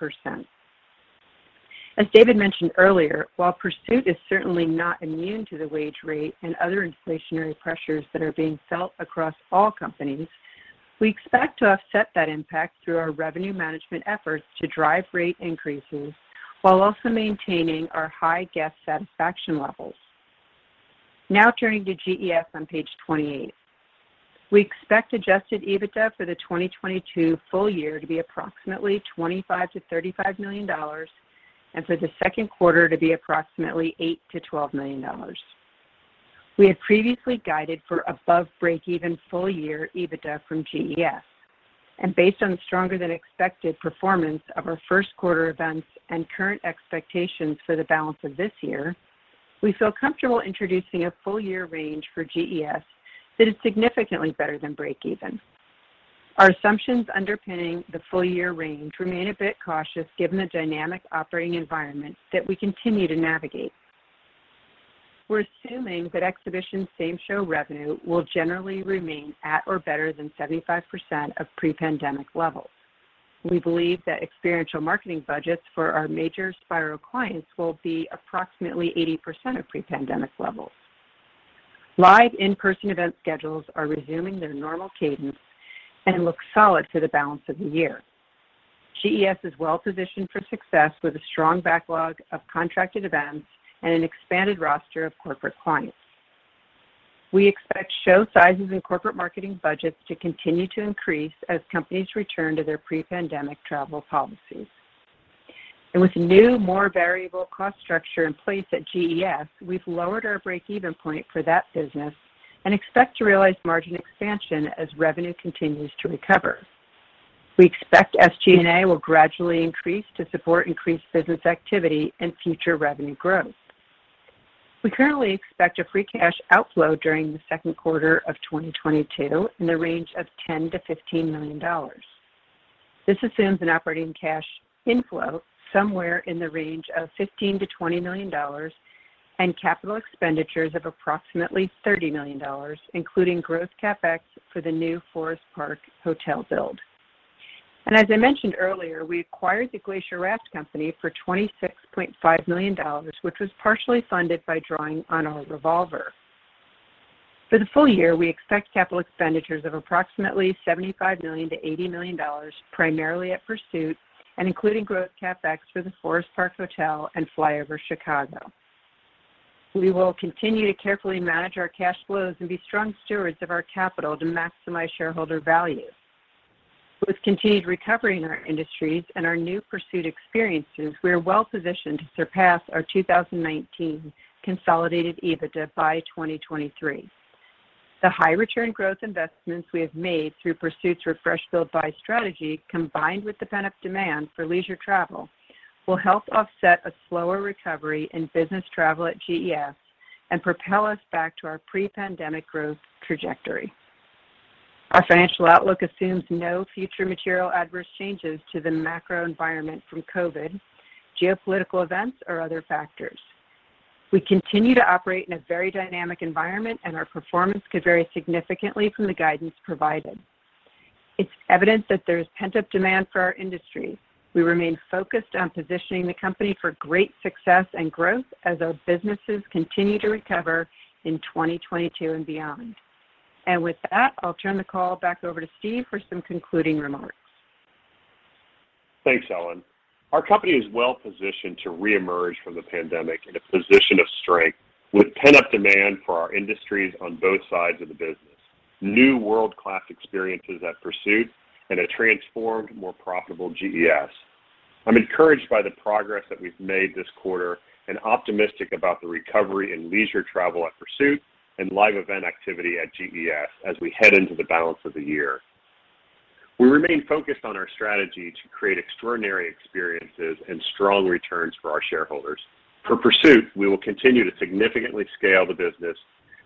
S4: As David mentioned earlier, while Pursuit is certainly not immune to the wage rate and other inflationary pressures that are being felt across all companies, we expect to offset that impact through our revenue management efforts to drive rate increases while also maintaining our high guest satisfaction levels. Now turning to GES on page 28. We expect adjusted EBITDA for the 2022 full year to be approximately $25-$35 million and for the second quarter to be approximately $8-$12 million. We had previously guided for above break-even full year EBITDA from GES, and based on stronger than expected performance of our first quarter events and current expectations for the balance of this year, we feel comfortable introducing a full year range for GES that is significantly better than break even. Our assumptions underpinning the full year range remain a bit cautious given the dynamic operating environment that we continue to navigate. We're assuming that exhibition same show revenue will generally remain at or better than 75% of pre-pandemic levels. We believe that experiential marketing budgets for our major Spiro clients will be approximately 80% of pre-pandemic levels. Live in-person event schedules are resuming their normal cadence and look solid for the balance of the year. GES is well positioned for success with a strong backlog of contracted events and an expanded roster of corporate clients. We expect show sizes and corporate marketing budgets to continue to increase as companies return to their pre-pandemic travel policies. With new, more variable cost structure in place at GES, we've lowered our break-even point for that business and expect to realize margin expansion as revenue continues to recover. We expect SG&A will gradually increase to support increased business activity and future revenue growth. We currently expect a free cash outflow during the second quarter of 2022 in the range of $10 million-$15 million. This assumes an operating cash inflow somewhere in the range of $15 million-$20 million and capital expenditures of approximately $30 million, including gross CapEx for the new Forest Park Hotel build. As I mentioned earlier, we acquired the Glacier Raft Company for $26.5 million, which was partially funded by drawing on our revolver. For the full year, we expect capital expenditures of approximately $75 million-$80 million, primarily at Pursuit, and including growth CapEx for the Forest Park Hotel and FlyOver Chicago. We will continue to carefully manage our cash flows and be strong stewards of our capital to maximize shareholder value. With continued recovery in our industries and our new Pursuit experiences, we are well positioned to surpass our 2019 consolidated EBITDA by 2023. The high return growth investments we have made through Pursuit's refresh, build, buy strategy, combined with the pent-up demand for leisure travel, will help offset a slower recovery in business travel at GES and propel us back to our pre-pandemic growth trajectory. Our financial outlook assumes no future material adverse changes to the macro environment from COVID, geopolitical events, or other factors. We continue to operate in a very dynamic environment, and our performance could vary significantly from the guidance provided. It's evident that there's pent-up demand for our industry. We remain focused on positioning the company for great success and growth as our businesses continue to recover in 2022 and beyond. With that, I'll turn the call back over to Steve for some concluding remarks.
S3: Thanks, Ellen. Our company is well positioned to reemerge from the pandemic in a position of strength with pent-up demand for our industries on both sides of the business, new world-class experiences at Pursuit, and a transformed, more profitable GES. I'm encouraged by the progress that we've made this quarter and optimistic about the recovery in leisure travel at Pursuit and live event activity at GES as we head into the balance of the year. We remain focused on our strategy to create extraordinary experiences and strong returns for our shareholders. For Pursuit, we will continue to significantly scale the business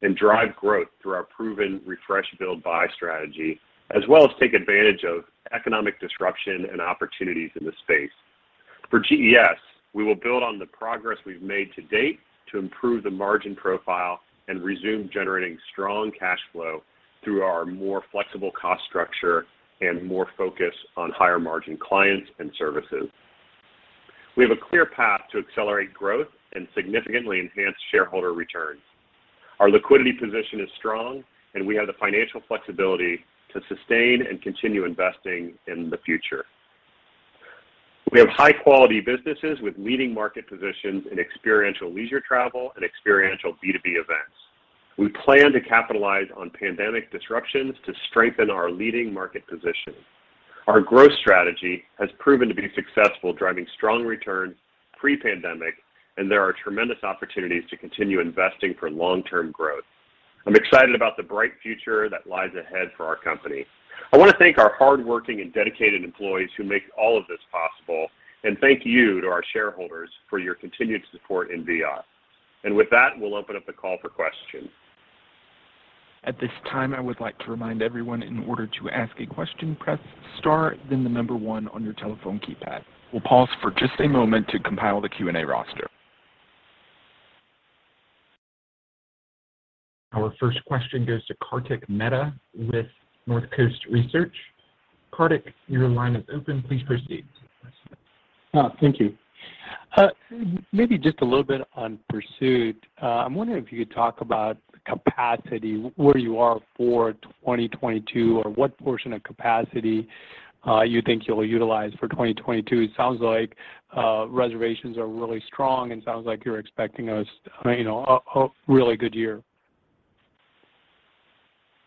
S3: and drive growth through our proven refresh, build, buy strategy, as well as take advantage of economic disruption and opportunities in the space. For GES, we will build on the progress we've made to date to improve the margin profile and resume generating strong cash flow through our more flexible cost structure and more focus on higher margin clients and services. We have a clear path to accelerate growth and significantly enhance shareholder returns. Our liquidity position is strong, and we have the financial flexibility to sustain and continue investing in the future. We have high-quality businesses with leading market positions in experiential leisure travel and experiential B2B events. We plan to capitalize on pandemic disruptions to strengthen our leading market position. Our growth strategy has proven to be successful, driving strong returns pre-pandemic, and there are tremendous opportunities to continue investing for long-term growth. I'm excited about the bright future that lies ahead for our company. I want to thank our hardworking and dedicated employees who make all of this possible, and thank you to our shareholders for your continued support in Viad. With that, we'll open up the call for questions.
S1: At this time, I would like to remind everyone in order to ask a question, press star then the number one on your telephone keypad. We'll pause for just a moment to compile the Q&A roster. Our first question goes to Kartik Mehta with NorthCoast Research. Kartik, your line is open. Please proceed.
S6: Oh, thank you. Maybe just a little bit on Pursuit. I'm wondering if you could talk about capacity, where you are for 2022 or what portion of capacity you think you'll utilize for 2022. It sounds like reservations are really strong, and it sounds like you're expecting a, you know, a really good year.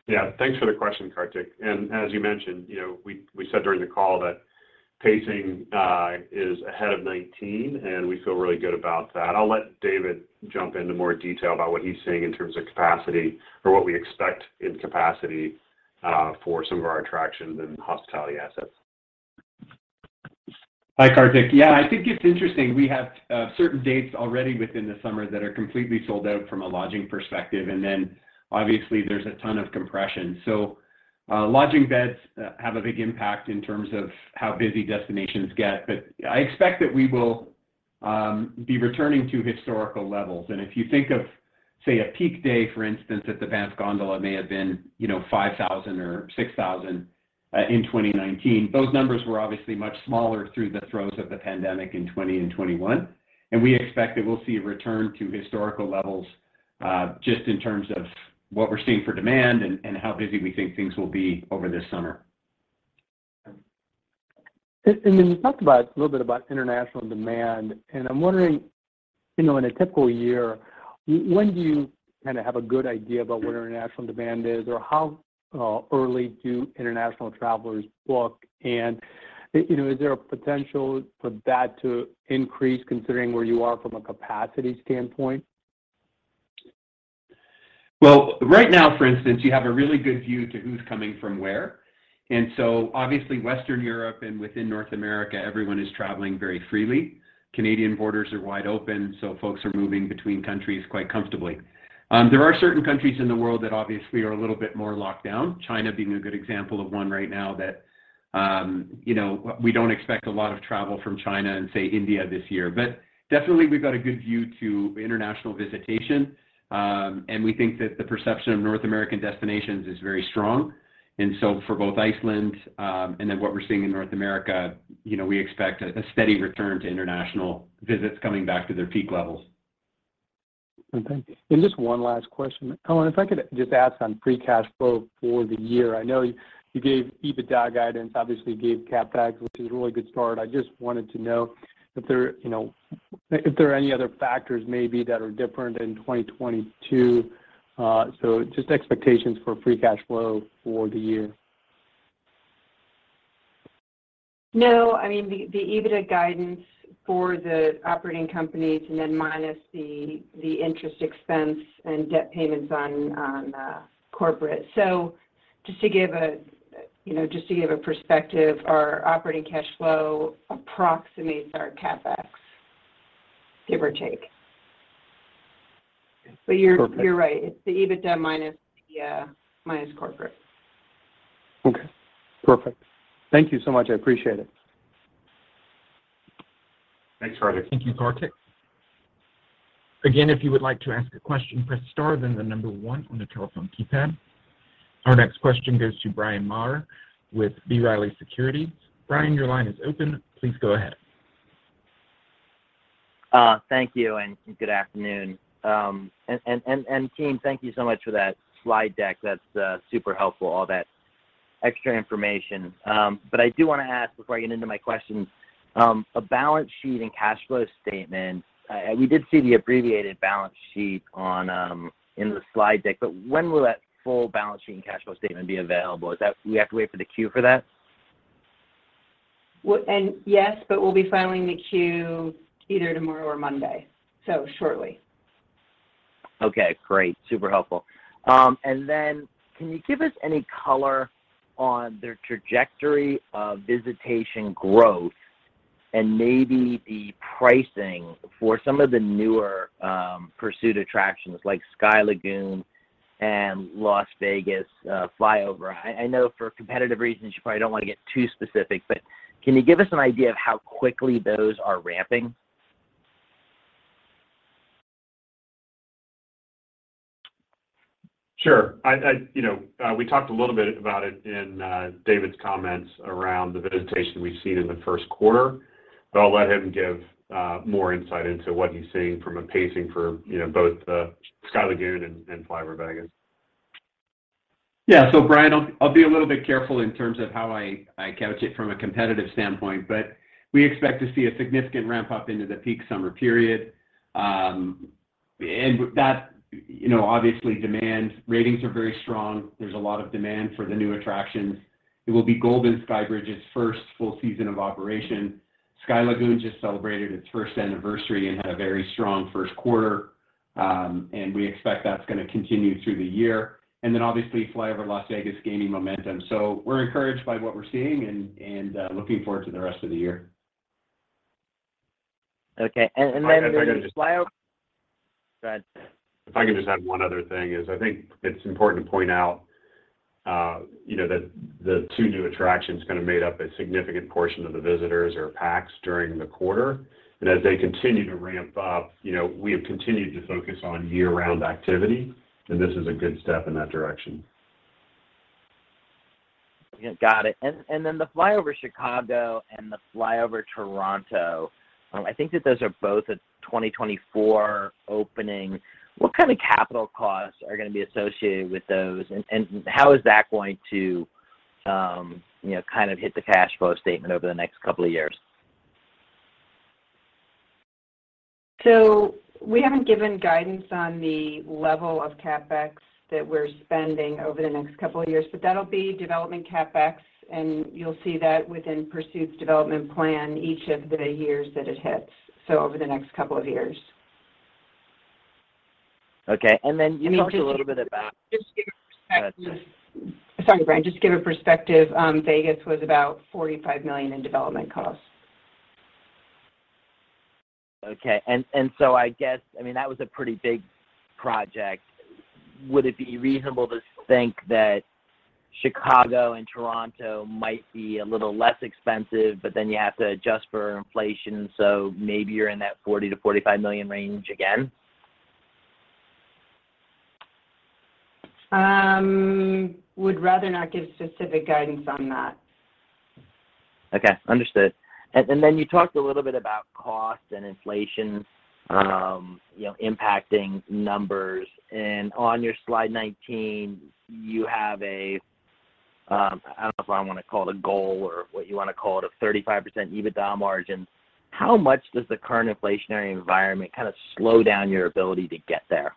S3: Yeah. Thanks for the question, Kartik. As you mentioned, you know, we said during the call that pacing is ahead of 2019, and we feel really good about that. I'll let David jump into more detail about what he's seeing in terms of capacity or what we expect in capacity for some of our attractions and hospitality assets.
S5: Hi, Kartik. Yeah. I think it's interesting. We have certain dates already within the summer that are completely sold out from a lodging perspective, and then obviously there's a ton of compression. Lodging beds have a big impact in terms of how busy destinations get. I expect that we will be returning to historical levels. If you think of, say, a peak day, for instance, at the Banff Gondola may have been, you know, 5,000 or 6,000 in 2019. Those numbers were obviously much smaller through the throes of the pandemic in 2020 and 2021, and we expect that we'll see a return to historical levels just in terms of what we're seeing for demand and how busy we think things will be over this summer.
S6: You talked about a little bit about international demand, and I'm wondering, you know, in a typical year, when do you kinda have a good idea about where international demand is, or how early do international travelers book? You know, is there a potential for that to increase considering where you are from a capacity standpoint?
S5: Right now, for instance, you have a really good view to who's coming from where. Obviously Western Europe and within North America, everyone is traveling very freely. Canadian borders are wide open, so folks are moving between countries quite comfortably. There are certain countries in the world that obviously are a little bit more locked down, China being a good example of one right now that, you know, we don't expect a lot of travel from China and say India this year. Definitely we've got a good view to international visitation, and we think that the perception of North American destinations is very strong. For both Iceland, and then what we're seeing in North America, you know, we expect a steady return to international visits coming back to their peak levels.
S6: Okay. Just one last question. Ellen, if I could just ask on free cash flow for the year. I know you gave EBITDA guidance, obviously gave CapEx, which is a really good start. I just wanted to know if there, you know, if there are any other factors maybe that are different in 2022. Just expectations for free cash flow for the year.
S4: No. I mean, the EBITDA guidance for the operating companies and then minus the interest expense and debt payments on corporate. Just to give a, you know, just to give a perspective, our operating cash flow approximates our CapEx, give or take.
S6: Perfect.
S4: You're right. It's the EBITDA minus corporate.
S6: Okay. Perfect. Thank you so much. I appreciate it.
S3: Thanks, Kartik.
S1: Thank you, Kartik. Again, if you would like to ask a question, press star then the number one on your telephone keypad. Our next question goes to Bryan Maher with B. Riley Securities. Bryan, your line is open. Please go ahead.
S7: Thank you, and good afternoon. Team, thank you so much for that slide deck. That's super helpful, all that extra information. I do wanna ask before I get into my questions, a balance sheet and cash flow statement. We did see the abbreviated balance sheet in the slide deck, but when will that full balance sheet and cash flow statement be available? Is that? Do we have to wait for the Q for that?
S4: Well, yes, but we'll be filing the Q either tomorrow or Monday. Shortly.
S7: Okay, great. Super helpful. Can you give us any color on the trajectory of visitation growth and maybe the pricing for some of the newer Pursuit attractions like Sky Lagoon and FlyOver Las Vegas? I know for competitive reasons you probably don't wanna get too specific, but can you give us an idea of how quickly those are ramping?
S3: Sure. You know, we talked a little bit about it in David's comments around the visitation we've seen in the first quarter, but I'll let him give more insight into what he's seeing from a pacing for you know, both Sky Lagoon and FlyOver Las Vegas.
S5: Yeah. Bryan, I'll be a little bit careful in terms of how I couch it from a competitive standpoint, but we expect to see a significant ramp up into the peak summer period. That, you know, obviously demand ratings are very strong. There's a lot of demand for the new attractions. It will be Golden Skybridge's first full season of operation. Sky Lagoon just celebrated its first anniversary and had a very strong first quarter, and we expect that's gonna continue through the year. Then obviously FlyOver Las Vegas gaining momentum. We're encouraged by what we're seeing and looking forward to the rest of the year.
S7: Okay. Then
S5: If I could just-
S7: Go ahead.
S5: If I could just add one other thing is I think it's important to point out, you know, that the two new attractions kinda made up a significant portion of the visitors or packs during the quarter. As they continue to ramp up, you know, we have continued to focus on year-round activity, and this is a good step in that direction.
S7: Yeah. Got it. Then the FlyOver Chicago and the FlyOver Toronto, I think that those are both a 2024 opening. What kind of capital costs are gonna be associated with those, and how is that going to, you know, kind of hit the cash flow statement over the next couple of years?
S4: We haven't given guidance on the level of CapEx that we're spending over the next couple of years, but that'll be development CapEx, and you'll see that within Pursuit's development plan each of the years that it hits, so over the next couple of years.
S7: Okay. You talked a little bit about.
S4: I mean, just to give a perspective.
S7: Go ahead, sorry.
S4: Sorry, Bryan. Just to give a perspective, Vegas was about $45 million in development costs.
S7: I guess I mean, that was a pretty big project. Would it be reasonable to think that Chicago and Toronto might be a little less expensive, but then you have to adjust for inflation, so maybe you're in that $40 million-$45 million range again?
S4: Would rather not give specific guidance on that.
S7: Okay, understood. You talked a little bit about cost and inflation, you know, impacting numbers, and on your slide 19, you have, I don't know if I wanna call it a goal or what you wanna call it, a 35% EBITDA margin. How much does the current inflationary environment kind of slow down your ability to get there?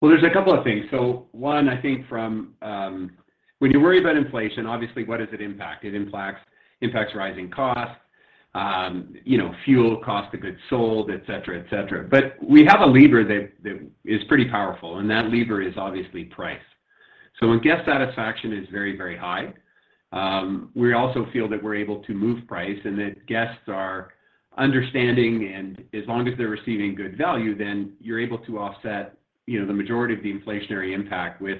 S5: Well, there's a couple of things. One, I think from when you worry about inflation, obviously, what does it impact? It impacts rising costs, you know, fuel, cost of goods sold, et cetera, et cetera. We have a lever that is pretty powerful, and that lever is obviously price. When guest satisfaction is very, very high, we also feel that we're able to move price and that guests are understanding, and as long as they're receiving good value, then you're able to offset, you know, the majority of the inflationary impact with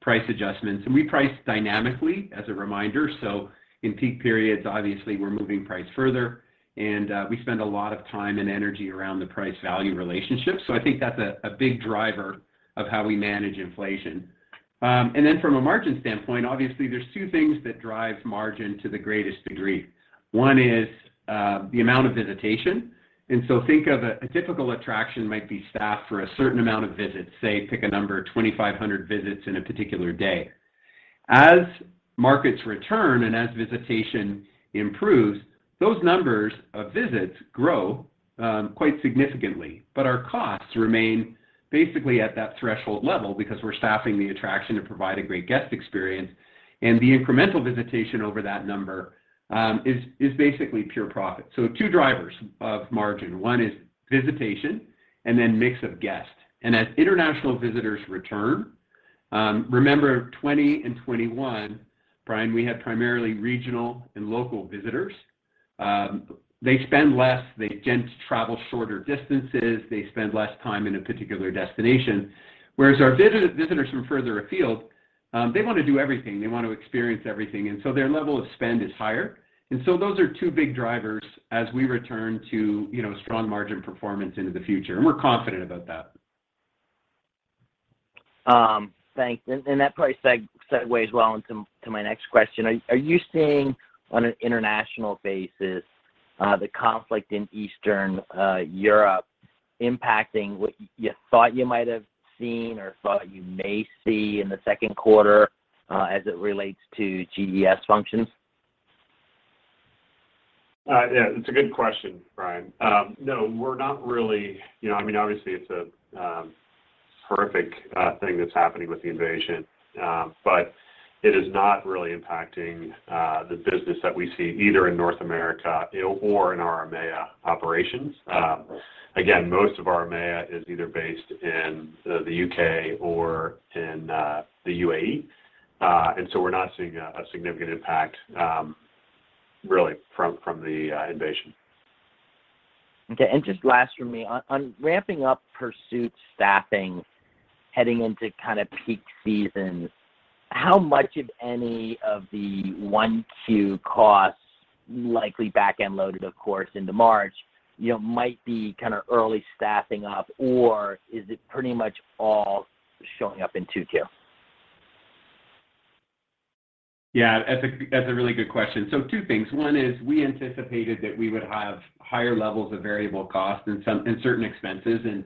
S5: price adjustments. We price dynamically, as a reminder, so in peak periods, obviously we're moving price further and we spend a lot of time and energy around the price value relationship. I think that's a big driver of how we manage inflation. From a margin standpoint, obviously there's two things that drive margin to the greatest degree. One is the amount of visitation. Think of a typical attraction might be staffed for a certain amount of visits. Say, pick a number, 2,500 visits in a particular day. As markets return and as visitation improves, those numbers of visits grow quite significantly. But our costs remain basically at that threshold level because we're staffing the attraction to provide a great guest experience, and the incremental visitation over that number is basically pure profit. Two drivers of margin. One is visitation, and then mix of guests. As international visitors return, remember 2020 and 2021, Bryan, we had primarily regional and local visitors. They spend less. They tend to travel shorter distances. They spend less time in a particular destination. Whereas our visitors from further afield, they wanna do everything. They want to experience everything, and so their level of spend is higher. Those are two big drivers as we return to, you know, strong margin performance into the future, and we're confident about that.
S7: Thanks. That probably segues well into my next question. Are you seeing, on an international basis, the conflict in Eastern Europe impacting what you thought you might have seen or thought you may see in the second quarter, as it relates to GES functions?
S5: Yeah. It's a good question, Bryan. No, we're not really. You know, I mean, obviously, it's a horrific thing that's happening with the invasion. It is not really impacting the business that we see either in North America or in our EMEA operations. Again, most of our EMEA is either based in the UK or in the UAE, and so we're not seeing a significant impact really from the invasion.
S7: Just last from me. On ramping up Pursuit's staffing heading into kind of peak seasons, how much of any of the Q1-Q2 costs, likely back-end loaded of course into March, you know, might be kind of early staffing up, or is it pretty much all showing up in Q2?
S5: Yeah. That's a really good question. Two things. One is we anticipated that we would have higher levels of variable costs in some, in certain expenses, and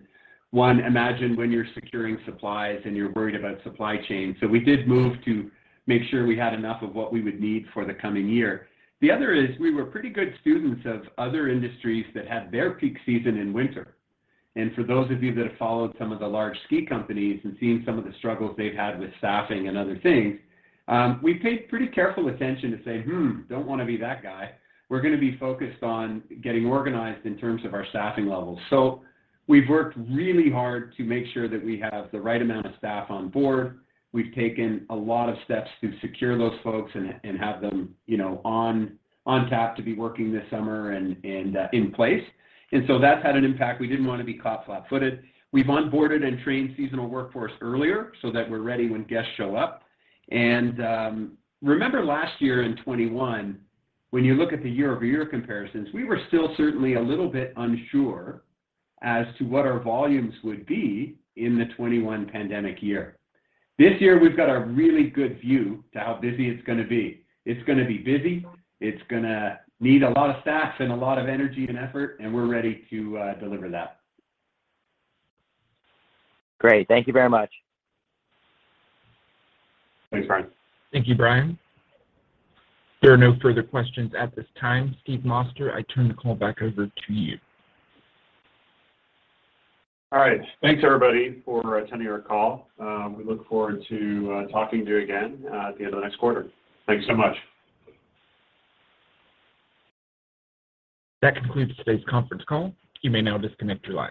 S5: one, imagine when you're securing supplies and you're worried about supply chain. We did move to make sure we had enough of what we would need for the coming year. The other is we were pretty good students of other industries that had their peak season in winter. For those of you that have followed some of the large ski companies and seen some of the struggles they've had with staffing and other things, we paid pretty careful attention to say, "Hmm, don't wanna be that guy." We're gonna be focused on getting organized in terms of our staffing levels. We've worked really hard to make sure that we have the right amount of staff on board. We've taken a lot of steps to secure those folks and have them, you know, on tap to be working this summer and in place. That's had an impact. We didn't wanna be caught flat-footed. We've onboarded and trained seasonal workforce earlier so that we're ready when guests show up. Remember last year in 2021, when you look at the year-over-year comparisons, we were still certainly a little bit unsure as to what our volumes would be in the 2021 pandemic year. This year we've got a really good view to how busy it's gonna be. It's gonna be busy. It's gonna need a lot of staff and a lot of energy and effort, and we're ready to deliver that.
S7: Great. Thank you very much.
S5: Thanks, Bryan.
S1: Thank you, Bryan. There are no further questions at this time. Steve Moster, I turn the call back over to you.
S3: All right. Thanks everybody for attending our call. We look forward to talking to you again at the end of next quarter. Thanks so much.
S1: That concludes today's conference call. You may now disconnect your lines.